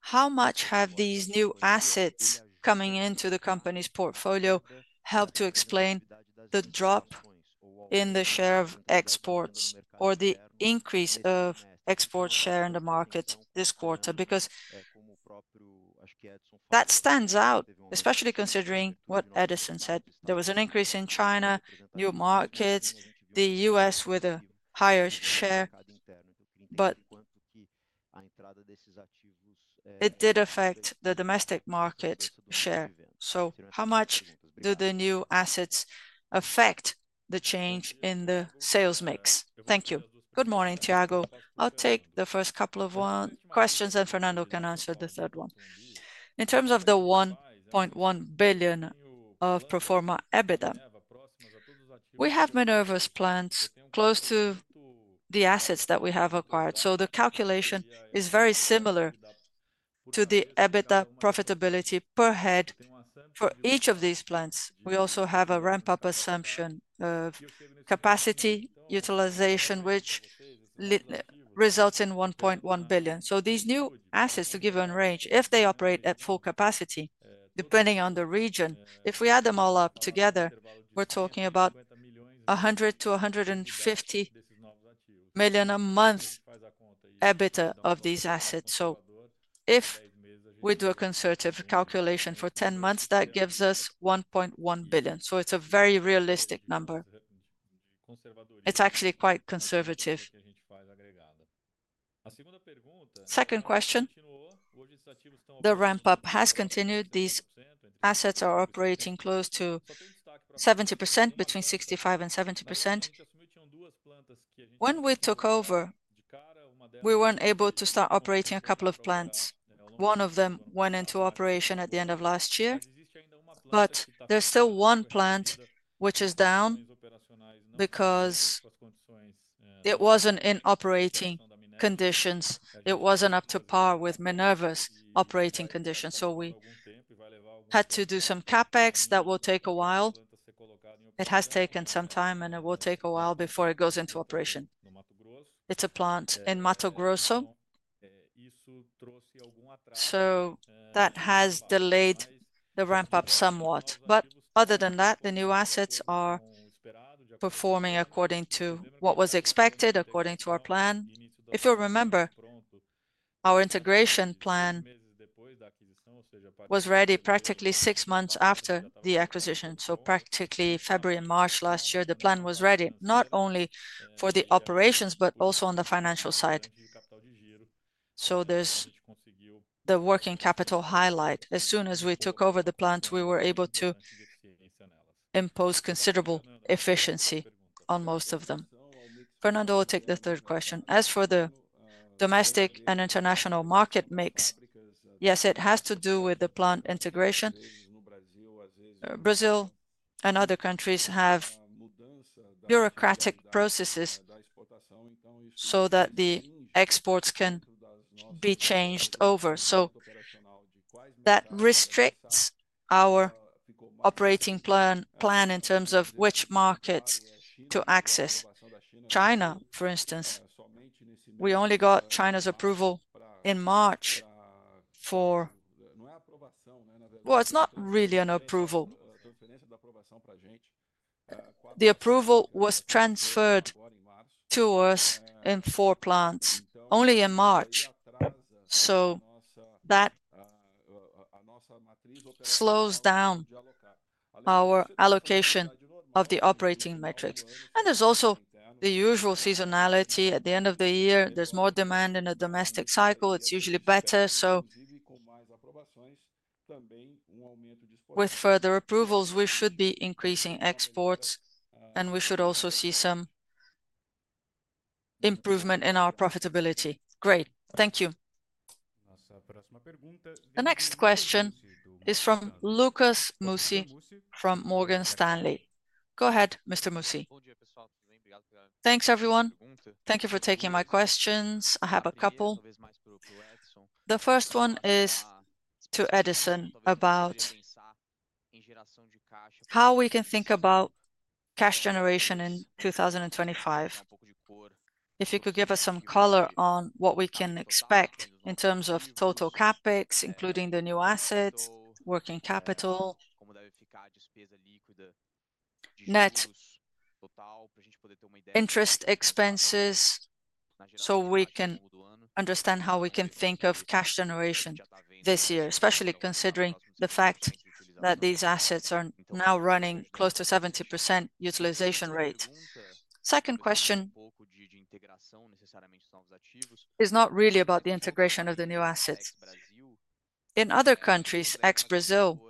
how much have these new assets coming into the company's portfolio helped to explain the drop in the share of exports or the increase of export share in the market this quarter? That stands out, especially considering what Edison said. There was an increase in China, new markets, the US with a higher share, but it did affect the domestic market share. How much do the new assets affect the change in the sales mix? Thank you. Good morning, Tiago. I'll take the first couple of questions, and Fernando can answer the third one. In terms of the $1.1 billion of proforma EBITDA, we have Minerva's plants close to the assets that we have acquired. The calculation is very similar to the EBITDA profitability per head for each of these plants. We also have a ramp-up assumption of capacity utilization, which results in $1.1 billion. These new assets, to give you a range, if they operate at full capacity, depending on the region, if we add them all up together, we are talking about $100 million-$150 million a month EBITDA of these assets. If we do a conservative calculation for 10 months, that gives us $1.1 billion. It is a very realistic number. It is actually quite conservative. A second question, the ramp-up has continued. These assets are operating close to 70%, between 65% and 70%. When we took over, we were not able to start operating a couple of plants. One of them went into operation at the end of last year, but there is still one plant which is down because it was not in operating conditions. It was not up to par with Minerva's operating conditions. We had to do some CapEx that will take a while. It has taken some time, and it will take a while before it goes into operation. It's a plant in Mato Grosso, so that has delayed the ramp-up somewhat. Other than that, the new assets are performing according to what was expected, according to our plan. If you'll remember, our integration plan was ready practically six months after the acquisition, so practically February and March last year. The plan was ready not only for the operations, but also on the financial side. There's the working capital highlight. As soon as we took over the plants, we were able to impose considerable efficiency on most of them. Fernando will take the third question. As for the domestic and international market mix, yes, it has to do with the plant integration. Brazil and other countries have bureaucratic processes so that the exports can be changed over. That restricts our operating plan in terms of which markets to access. China, for instance, we only got China's approval in March for, well, it is not really an approval. The approval was transferred to us in four plants only in March. That slows down our allocation of the operating metrics. There is also the usual seasonality. At the end of the year, there is more demand in a domestic cycle. It is usually better. With further approvals, we should be increasing exports, and we should also see some improvement in our profitability. Great. Thank you. The next question is from Lucas Musi from Morgan Stanley. Go ahead, Mr. Musi. Thanks, everyone. Thank you for taking my questions. I have a couple. The first one is to Edison about how we can think about cash generation in 2025. If you could give us some color on what we can expect in terms of total CapEx, including the new assets, working capital, net interest expenses, so we can understand how we can think of cash generation this year, especially considering the fact that these assets are now running close to 70% utilization rate. Second question is not really about the integration of the new assets. In other countries, ex-Brazil,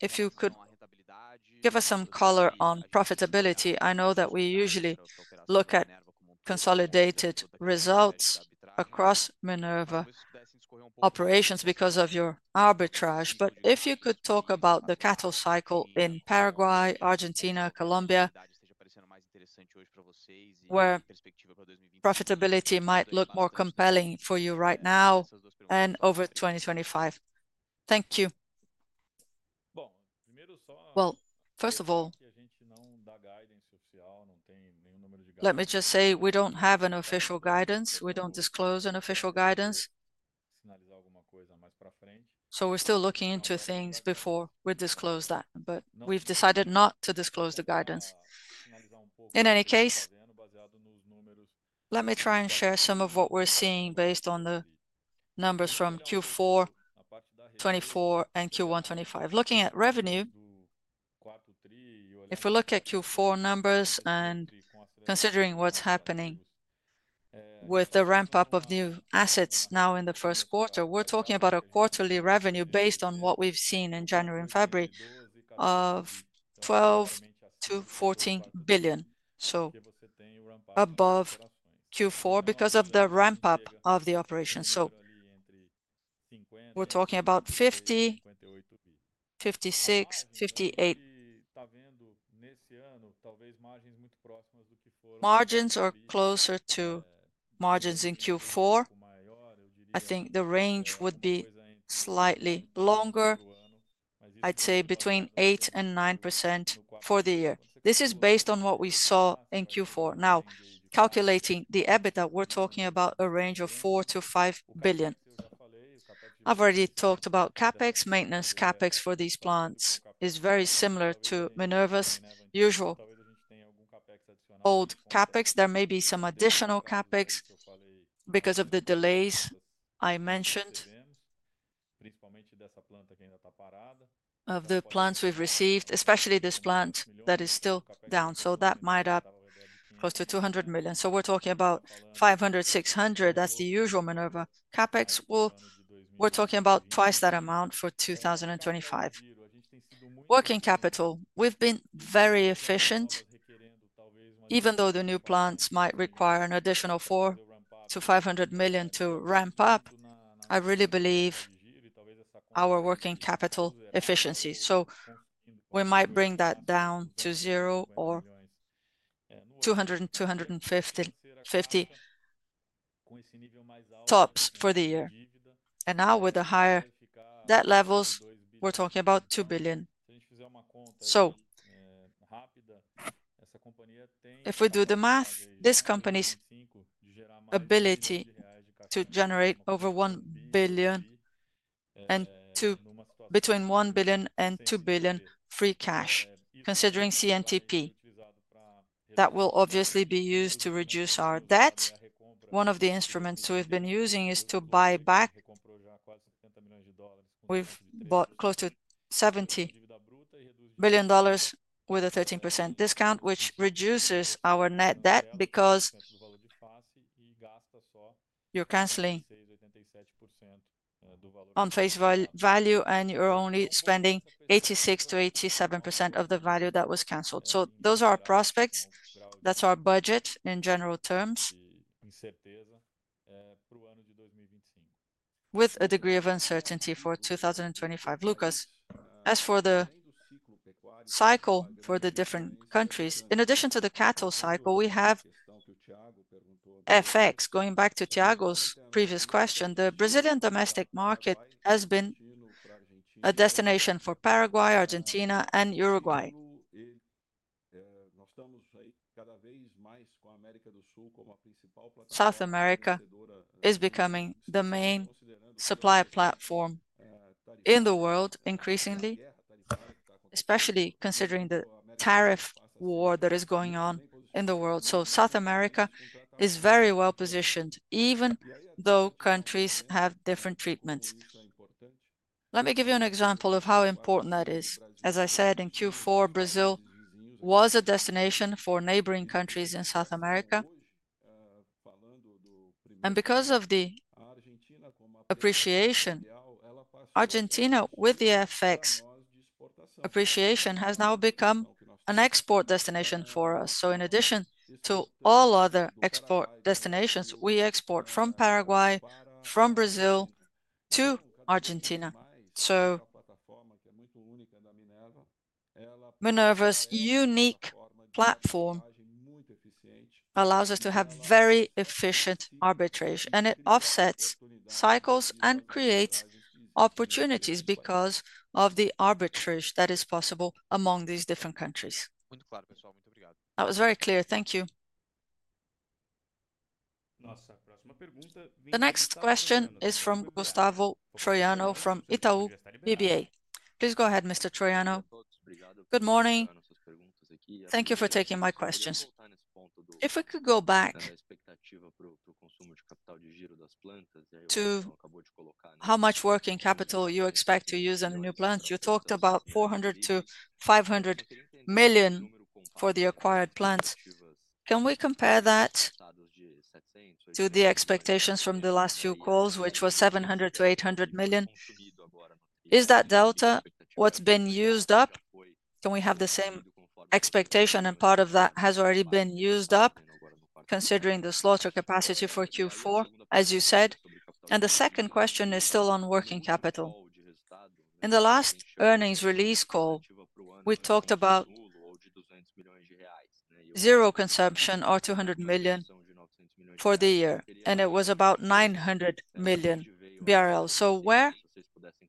if you could give us some color on profitability, I know that we usually look at consolidated results across Minerva operations because of your arbitrage. But if you could talk about the cattle cycle in Paraguay, Argentina, Colombia, where profitability might look more compelling for you right now and over 2025. Thank you. First of all, let me just say we do not have an official guidance. We do not disclose an official guidance. We are still looking into things before we disclose that, but we have decided not to disclose the guidance. In any case, let me try and share some of what we are seeing based on the numbers from Q4 2024 and Q1 2025. Looking at revenue, if we look at Q4 numbers and considering what is happening with the ramp-up of new assets now in the first quarter, we are talking about a quarterly revenue based on what we have seen in January and February of BRL 12 billion-BRL 14 billion. This is above Q4 because of the ramp-up of the operation. We are talking about 50%, 56%, 58% margins or closer to margins in Q4. I think the range would be slightly longer, I would say between 8% and 9% for the year. This is based on what we saw in Q4. Now, calculating the EBITDA, we're talking about a range of $4 billion-$5 billion. I've already talked about CapEx. Maintenance CapEx for these plants is very similar to Minerva's usual old CapEx. There may be some additional CapEx because of the delays I mentioned of the plants we've received, especially this plant that is still down. That might up close to 200 million. We're talking about 500 million, 600 million. That's the usual Minerva CapEx. We're talking about twice that amount for 2025. Working capital, we've been very efficient. Even though the new plants might require an additional 400 million-500 million to ramp up, I really believe our working capital efficiency. We might bring that down to zero or 200 million, 250 million tops for the year. Now, with the higher debt levels, we're talking about 2 billion. If we do the math, this company's ability to generate over $1 billion and to between $1 billion and $2 billion free cash, considering CNTP, that will obviously be used to reduce our debt. One of the instruments we've been using is to buy back. We've bought close to $70 million with a 13% discount, which reduces our net debt because you're canceling on face value and you're only spending 86% to 87% of the value that was canceled. Those are our prospects. That's our budget in general terms with a degree of uncertainty for 2025. Lucas, as for the cycle for the different countries, in addition to the cattle cycle, we have FX. Going back to Tiago's previous question, the Brazilian domestic market has been a destination for Paraguay, Argentina, and Uruguay. South America is becoming the main supply platform in the world increasingly, especially considering the tariff war that is going on in the world. South America is very well positioned, even though countries have different treatments. Let me give you an example of how important that is. As I said, in Q4, Brazil was a destination for neighboring countries in South America. Because of the appreciation, Argentina with the FX appreciation has now become an export destination for us. In addition to all other export destinations, we export from Paraguay, from Brazil to Argentina. Minerva's unique platform allows us to have very efficient arbitrage, and it offsets cycles and creates opportunities because of the arbitrage that is possible among these different countries. That was very clear. Thank you. The next question is from Gustavo Troiano from Itaú BBA. Please go ahead, Mr. Troiano. Good morning. Thank you for taking my questions. If we could go back to the consumer capital de giro das plantas, how much working capital you expect to use on the new plants? You talked about 400 million-500 million for the acquired plants. Can we compare that to the expectations from the last few calls, which was 700 million-800 million? Is that delta what's been used up? Can we have the same expectation? Part of that has already been used up, considering the slaughter capacity for Q4, as you said. The second question is still on working capital. In the last earnings release call, we talked about zero consumption or 200 million for the year, and it was about 900 million BRL. Where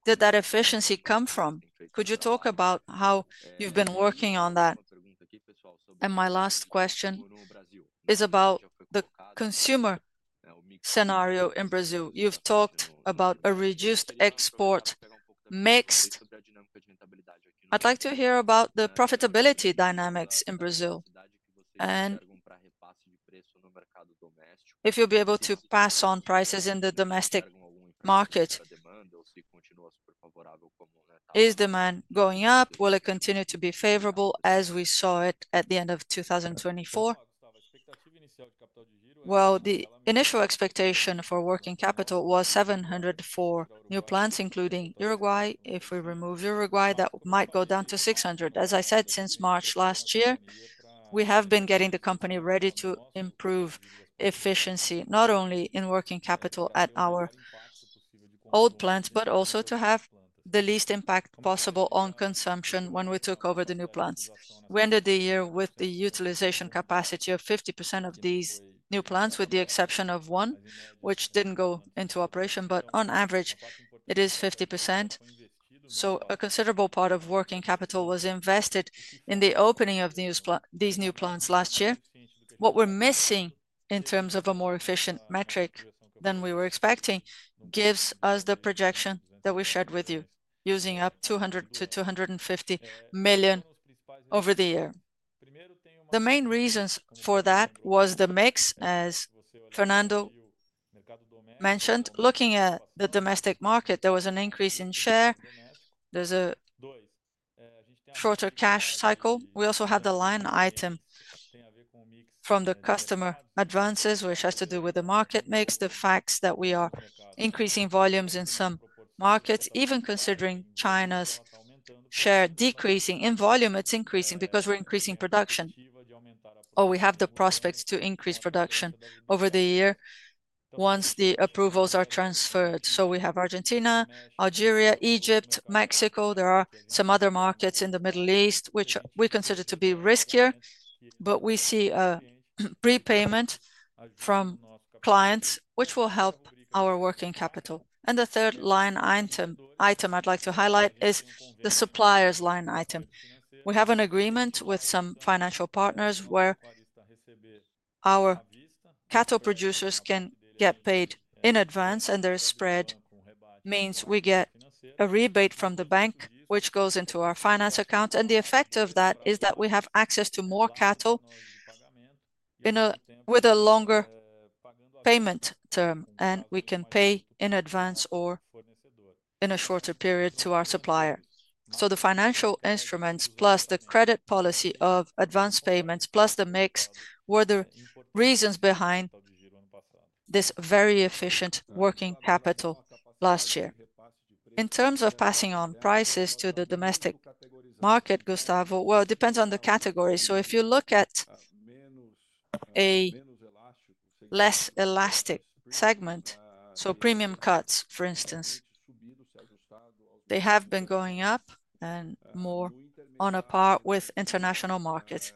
did that efficiency come from? Could you talk about how you've been working on that? My last question is about the consumer scenario in Brazil. You've talked about a reduced export mix. I'd like to hear about the profitability dynamics in Brazil. If you'll be able to pass on prices in the domestic market, is demand going up? Will it continue to be favorable as we saw it at the end of 2024? The initial expectation for working capital was 700 million for new plants, including Uruguay. If we remove Uruguay, that might go down to 600 million. As I said, since March last year, we have been getting the company ready to improve efficiency not only in working capital at our old plants, but also to have the least impact possible on consumption when we took over the new plants. We ended the year with the utilization capacity of 50% of these new plants, with the exception of one, which did not go into operation, but on average, it is 50%. A considerable part of working capital was invested in the opening of these new plants last year. What we are missing in terms of a more efficient metric than we were expecting gives us the projection that we shared with you, using up $200 million-$250 million over the year. The main reasons for that was the mix, as Fernando mentioned. Looking at the domestic market, there was an increase in share. There is a shorter cash cycle. We also have the line item from the customer advances, which has to do with the market mix, the fact that we are increasing volumes in some markets, even considering China's share decreasing in volume. It is increasing because we are increasing production. We have the prospects to increase production over the year once the approvals are transferred. We have Argentina, Algeria, Egypt, Mexico. There are some other markets in the Middle East, which we consider to be riskier, but we see a prepayment from clients, which will help our working capital. The third line item I'd like to highlight is the suppliers line item. We have an agreement with some financial partners where our cattle producers can get paid in advance, and their spread means we get a rebate from the bank, which goes into our finance account. The effect of that is that we have access to more cattle with a longer payment term, and we can pay in advance or in a shorter period to our supplier. The financial instruments, plus the credit policy of advance payments, plus the mix, were the reasons behind this very efficient working capital last year. In terms of passing on prices to the domestic market, Gustavo, it depends on the category. If you look at a less elastic segment, premium cuts, for instance, they have been going up and more on a par with international markets.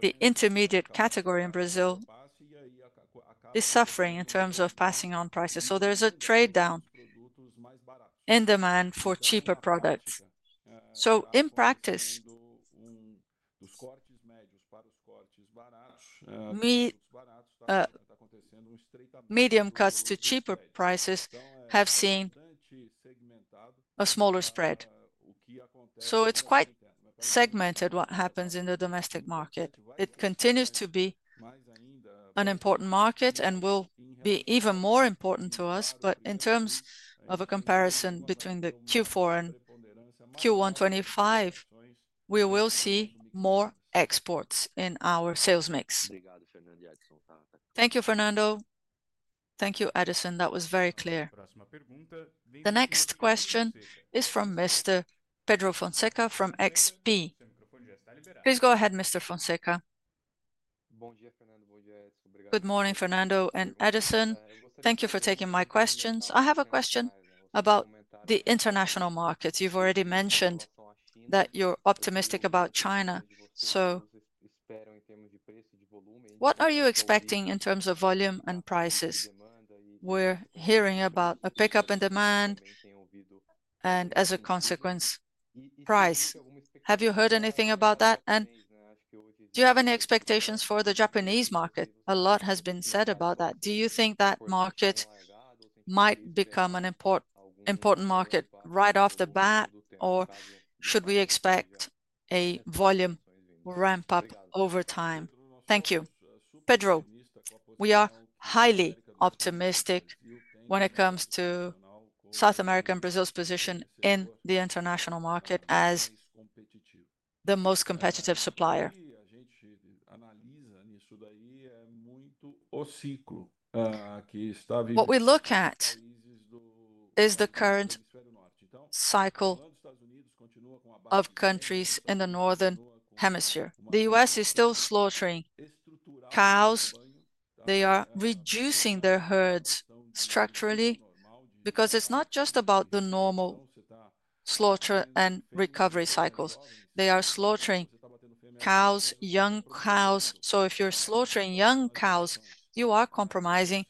The intermediate category in Brazil is suffering in terms of passing on prices. There is a trade down in demand for cheaper products. In practice, medium cuts to cheaper prices have seen a smaller spread. It is quite segmented what happens in the domestic market. It continues to be an important market and will be even more important to us. In terms of a comparison between the Q4 and Q125, we will see more exports in our sales mix. Thank you, Fernando. Thank you, Edison. That was very clear. The next question is from Mr. Pedro Fonseca from XP. Please go ahead, Mr. Fonseca. Good morning, Fernando and Edison. Thank you for taking my questions. I have a question about the international markets. You've already mentioned that you're optimistic about China. What are you expecting in terms of volume and prices? We're hearing about a pickup in demand and, as a consequence, price. Have you heard anything about that? Do you have any expectations for the Japanese market? A lot has been said about that. Do you think that market might become an important market right off the bat, or should we expect a volume ramp-up over time? Thank you. Pedro, we are highly optimistic when it comes to South America and Brazil's position in the international market as the most competitive supplier. What we look at is the current cycle of countries in the northern hemisphere. The U.S. is still slaughtering cows. They are reducing their herds structurally because it's not just about the normal slaughter and recovery cycles. They are slaughtering cows, young cows. If you're slaughtering young cows, you are compromising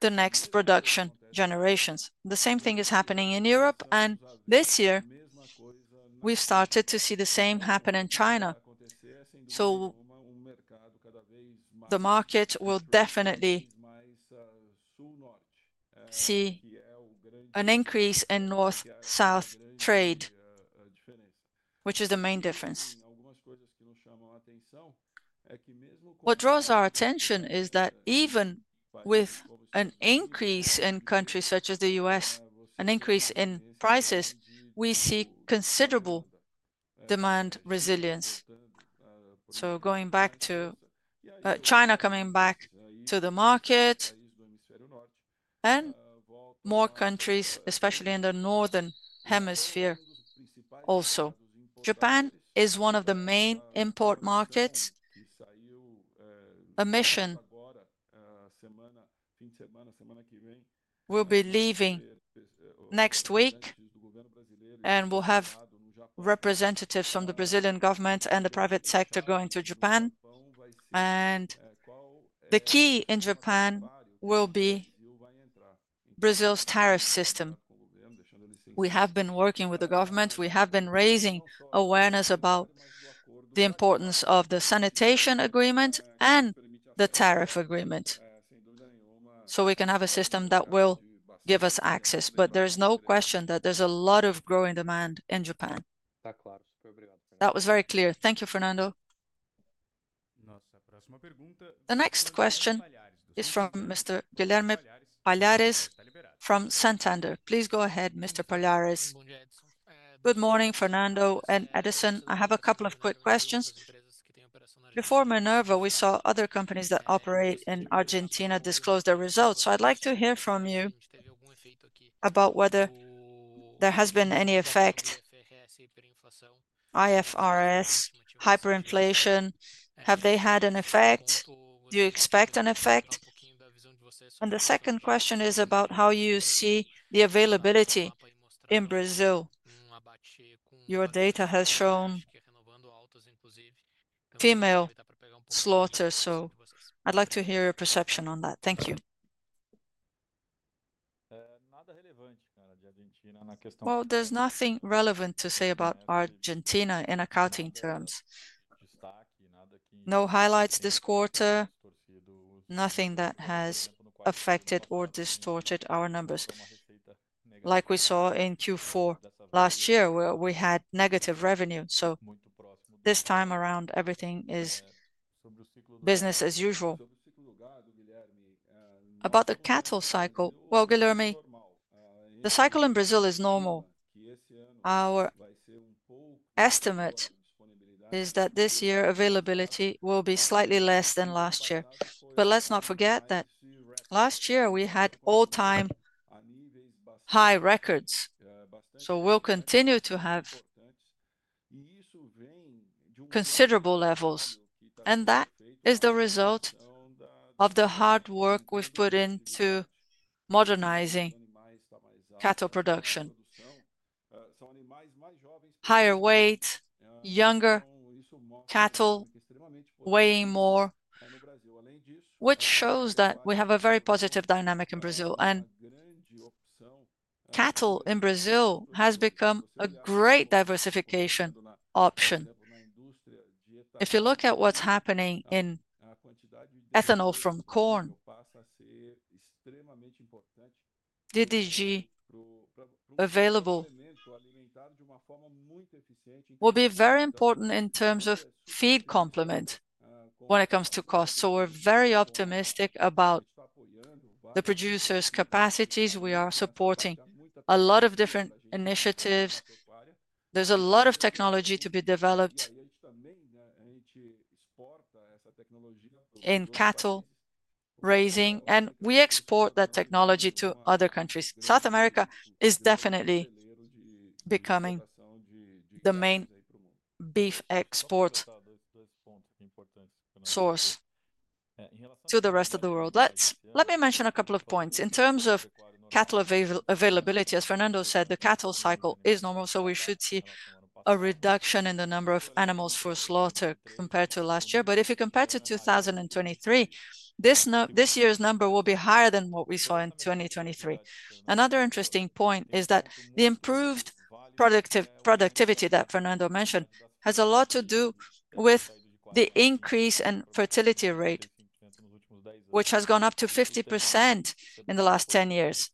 the next production generations. The same thing is happening in Europe, and this year we've started to see the same happen in China. The market will definitely see an increase in north-south trade, which is the main difference. What draws our attention is that even with an increase in countries such as the U.S., an increase in prices, we see considerable demand resilience. Going back to China coming back to the market and more countries, especially in the northern hemisphere. Also, Japan is one of the main import markets. A mission will be leaving next week, and we'll have representatives from the Brazilian government and the private sector going to Japan. The key in Japan will be Brazil's tariff system. We have been working with the government. We have been raising awareness about the importance of the sanitation agreement and the tariff agreement so we can have a system that will give us access. There's no question that there's a lot of growing demand in Japan. That was very clear. Thank you, Fernando. The next question is from Mr. Guilherme Palhares from Santander. Please go ahead, Mr. Palhares. Good morning, Fernando and Edison. I have a couple of quick questions. Before Minerva, we saw other companies that operate in Argentina disclose their results. I'd like to hear from you about whether there has been any effect. IFRS, hyperinflation, have they had an effect? Do you expect an effect? The second question is about how you see the availability in Brazil. Your data has shown female slaughter, so I'd like to hear your perception on that. Thank you. There is nothing relevant to say about Argentina in accounting terms. No highlights this quarter, nothing that has affected or distorted our numbers. Like we saw in Q4 last year, we had negative revenue. This time around, everything is business as usual. About the cattle cycle, Guilherme, the cycle in Brazil is normal. Our estimate is that this year availability will be slightly less than last year. Let's not forget that last year we had all-time high records. We will continue to have considerable levels. That is the result of the hard work we have put into modernizing cattle production. Higher weight, younger cattle, weighing more, which shows that we have a very positive dynamic in Brazil. Cattle in Brazil has become a great diversification option. If you look at what's happening in ethanol from corn, DDG available will be very important in terms of feed complement when it comes to cost. We are very optimistic about the producers' capacities. We are supporting a lot of different initiatives. There is a lot of technology to be developed in cattle raising, and we export that technology to other countries. South America is definitely becoming the main beef export source to the rest of the world. Let me mention a couple of points. In terms of cattle availability, as Fernando said, the cattle cycle is normal, so we should see a reduction in the number of animals for slaughter compared to last year. If you compare to 2023, this year's number will be higher than what we saw in 2023. Another interesting point is that the improved productivity that Fernando mentioned has a lot to do with the increase in fertility rate, which has gone up to 50% in the last 10 years.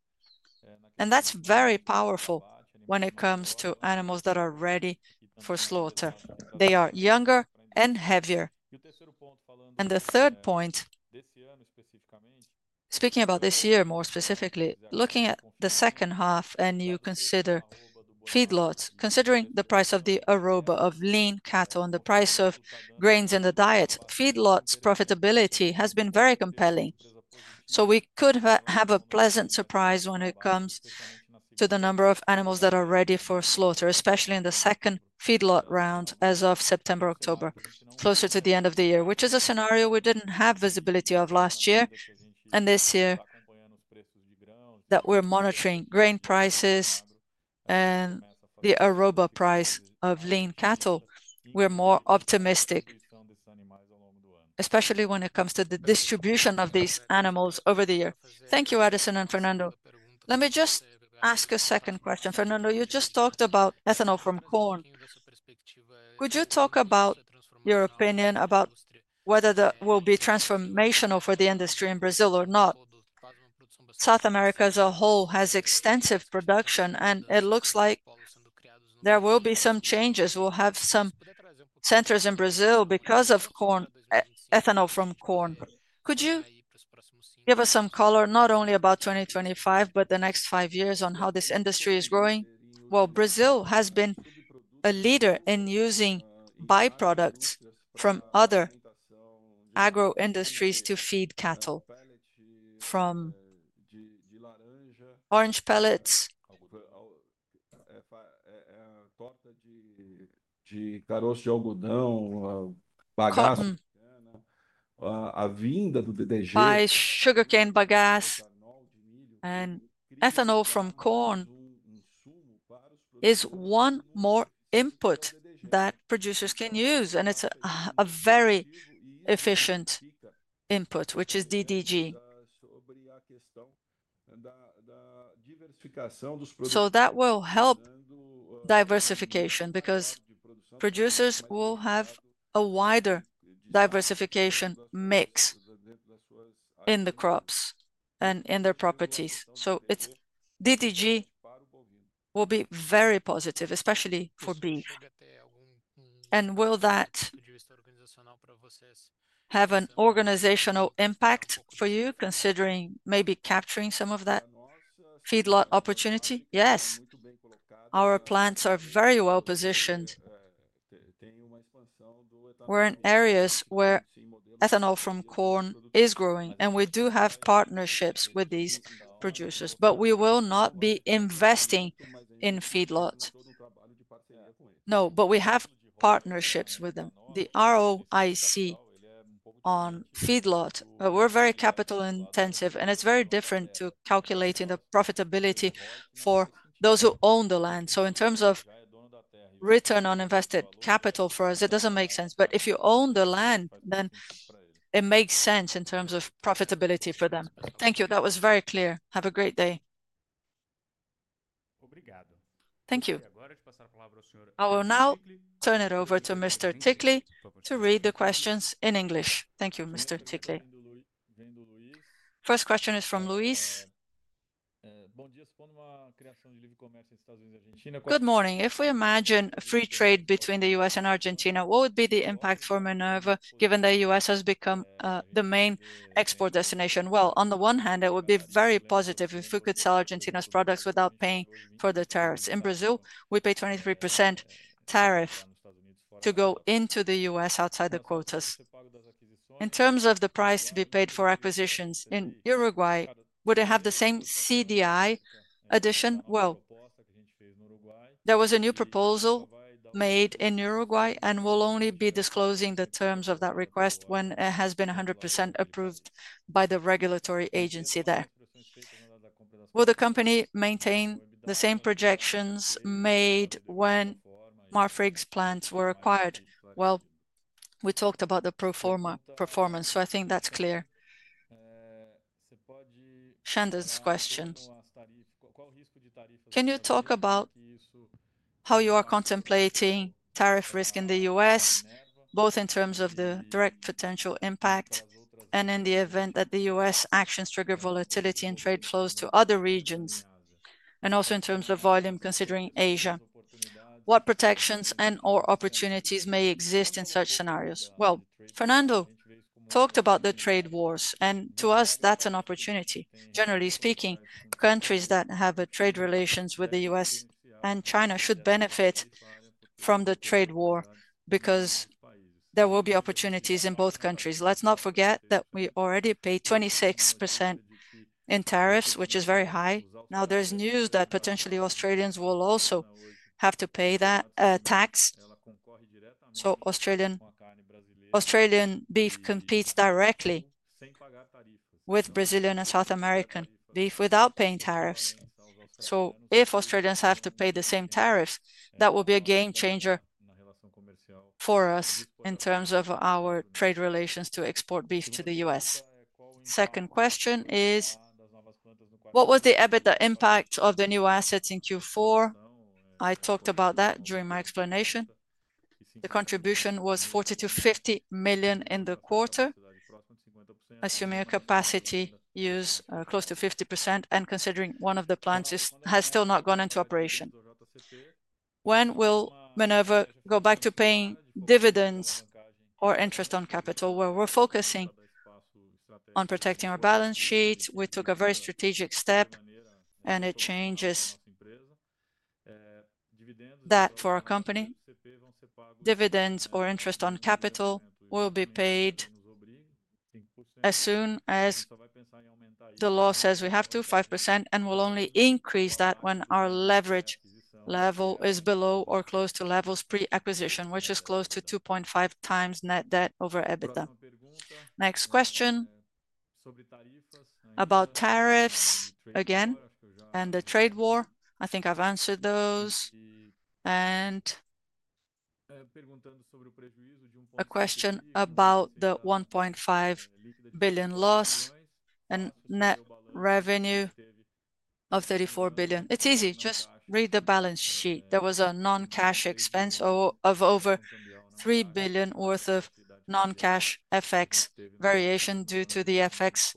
That is very powerful when it comes to animals that are ready for slaughter. They are younger and heavier. The third point, speaking about this year more specifically, looking at the second half and you consider feedlots, considering the price of the Arroba, of lean cattle, and the price of grains and the diets, feedlots' profitability has been very compelling. We could have a pleasant surprise when it comes to the number of animals that are ready for slaughter, especially in the second feedlot round as of September, October, closer to the end of the year, which is a scenario we did not have visibility of last year. This year, as we are monitoring grain prices and the Arroba price of lean cattle, we are more optimistic, especially when it comes to the distribution of these animals over the year. Thank you, Edison and Fernando. Let me just ask a second question. Fernando, you just talked about ethanol from corn. Could you talk about your opinion about whether there will be transformation for the industry in Brazil or not? South America as a whole has extensive production, and it looks like there will be some changes. We will have some centers in Brazil because of ethanol from corn. Could you give us some color, not only about 2025, but the next five years on how this industry is growing? Brazil has been a leader in using byproducts from other agro-industries to feed cattle, from orange pellets, sugarcane bagasse, ethanol from corn. It is one more input that producers can use, and it is a very efficient input, which is DDG. That will help diversification because producers will have a wider diversification mix in the crops and in their properties. DDG will be very positive, especially for beef. Will that have an organizational impact for you, considering maybe capturing some of that feedlot opportunity? Yes. Our plants are very well positioned. We are in areas where ethanol from corn is growing, and we do have partnerships with these producers, but we will not be investing in feedlots. No, but we have partnerships with them, the ROIC on feedlot. We are very capital-intensive, and it is very different to calculating the profitability for those who own the land. In terms of return on invested capital for us, it does not make sense. If you own the land, then it makes sense in terms of profitability for them. Thank you. That was very clear. Have a great day. Thank you. I will now turn it over to Mr. Tickley to read the questions in English. Thank you, Mr. Tickley. First question is from Luis. Good morning. If we imagine a free trade between the U.S. and Argentina, what would be the impact for Minerva, given that the U.S. has become the main export destination? On the one hand, it would be very positive if we could sell Argentina's products without paying for the tariffs. In Brazil, we pay 23% tariff to go into the U.S. outside the quotas. In terms of the price to be paid for acquisitions in Uruguay, would it have the same CDI addition? There was a new proposal made in Uruguay, and we will only be disclosing the terms of that request when it has been 100% approved by the regulatory agency there. Will the company maintain the same projections made when Marfrig's plants were acquired? We talked about the proforma. Performance, so I think that's clear. Can you talk about how you are contemplating tariff risk in the U.S., both in terms of the direct potential impact and in the event that the U.S. actions trigger volatility and trade flows to other regions, and also in terms of volume considering Asia? What protections and/or opportunities may exist in such scenarios? Fernando talked about the trade wars, and to us, that's an opportunity. Generally speaking, countries that have trade relations with the U.S. and China should benefit from the trade war because there will be opportunities in both countries. Let's not forget that we already pay 26% in tariffs, which is very high. Now, there's news that potentially Australians will also have to pay that tax. Australian beef competes directly with Brazilian and South American beef without paying tariffs. If Australians have to pay the same tariffs, that will be a game changer for us in terms of our trade relations to export beef to the U.S. Second question is, what was the impact of the new assets in Q4? I talked about that during my explanation. The contribution was $40 million-$50 million in the quarter, assuming a capacity used close to 50% and considering one of the plants has still not gone into operation. When will Minerva go back to paying dividends or interest on capital? We're focusing on protecting our balance sheet. We took a very strategic step, and it changes that for our company. Dividends or interest on capital will be paid as soon as the law says we have to, 5%, and we'll only increase that when our leverage level is below or close to levels pre-acquisition, which is close to 2.5 times net debt over EBITDA. Next question about tariffs again and the trade war. I think I've answered those. A question about the $1.5 billion loss and net revenue of $34 billion. It's easy. Just read the balance sheet. There was a non-cash expense of over $3 billion worth of non-cash FX variation due to the FX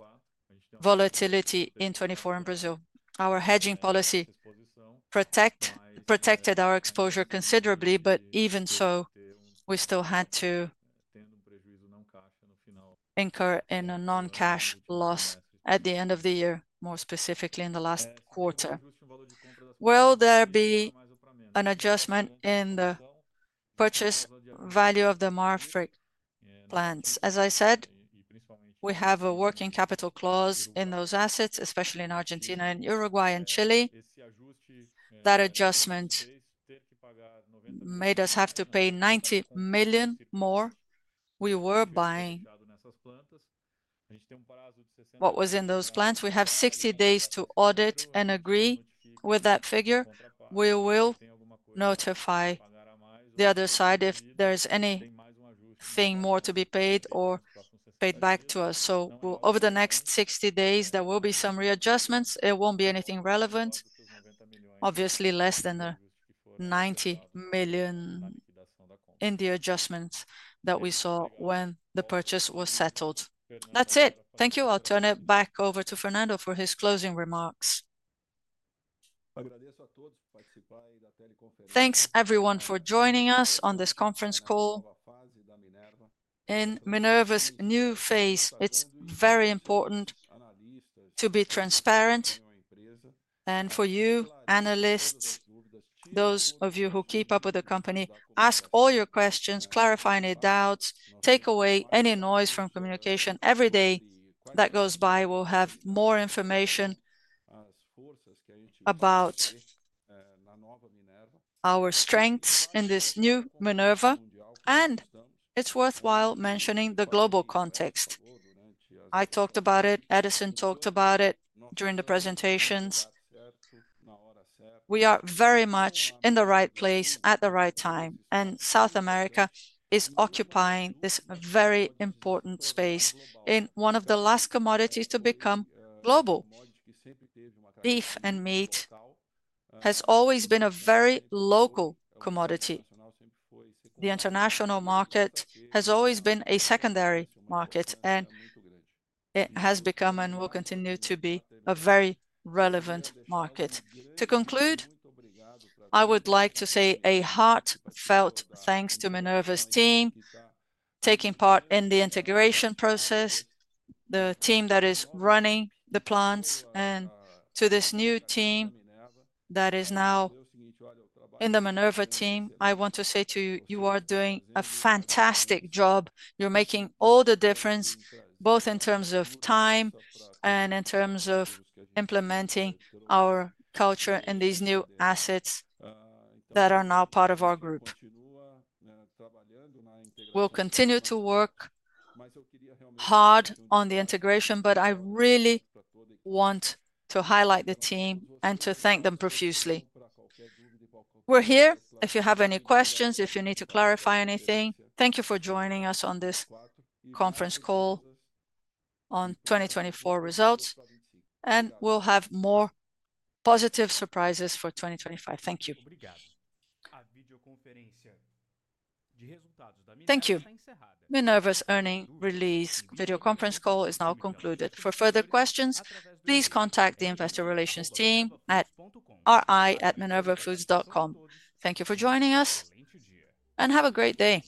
volatility in 2024 in Brazil. Our hedging policy protected our exposure considerably, but even so, we still had to incur in a non-cash loss at the end of the year, more specifically in the last quarter. Will there be an adjustment in the purchase value of the Marfrig plants? As I said, we have a working capital clause in those assets, especially in Argentina and Uruguay and Chile. That adjustment made us have to pay $90 million more. We were buying what was in those plants. We have 60 days to audit and agree with that figure. We will notify the other side if there's anything more to be paid or paid back to us. Over the next 60 days, there will be some readjustments. It won't be anything relevant, obviously less than $90 million in the adjustments that we saw when the purchase was settled. That's it. Thank you. I'll turn it back over to Fernando for his closing remarks. Thanks everyone for joining us on this conference call in Minerva's new phase. It's very important to be transparent and for you analysts, those of you who keep up with the company, ask all your questions, clarify any doubts, take away any noise from communication. Every day that goes by, we'll have more information about our strengths in this new Minerva, and it's worthwhile mentioning the global context. I talked about it. Edison talked about it during the presentations. We are very much in the right place at the right time, and South America is occupying this very important space in one of the last commodities to become global. Beef and meat have always been a very local commodity. The international market has always been a secondary market, and it has become and will continue to be a very relevant market. To conclude, I would like to say a heartfelt thanks to Minerva's team taking part in the integration process, the team that is running the plants, and to this new team that is now in the Minerva team. I want to say to you, you are doing a fantastic job. You're making all the difference, both in terms of time and in terms of implementing our culture and these new assets that are now part of our group. We'll continue to work hard on the integration, but I really want to highlight the team and to thank them profusely. We're here. If you have any questions, if you need to clarify anything, thank you for joining us on this conference call on 2024 results, and we'll have more positive surprises for 2025. Thank you. Thank you. Minerva's earning release video conference call is now concluded. For further questions, please contact the investor relations team at ri@minervafoods.com. Thank you for joining us, and have a great day.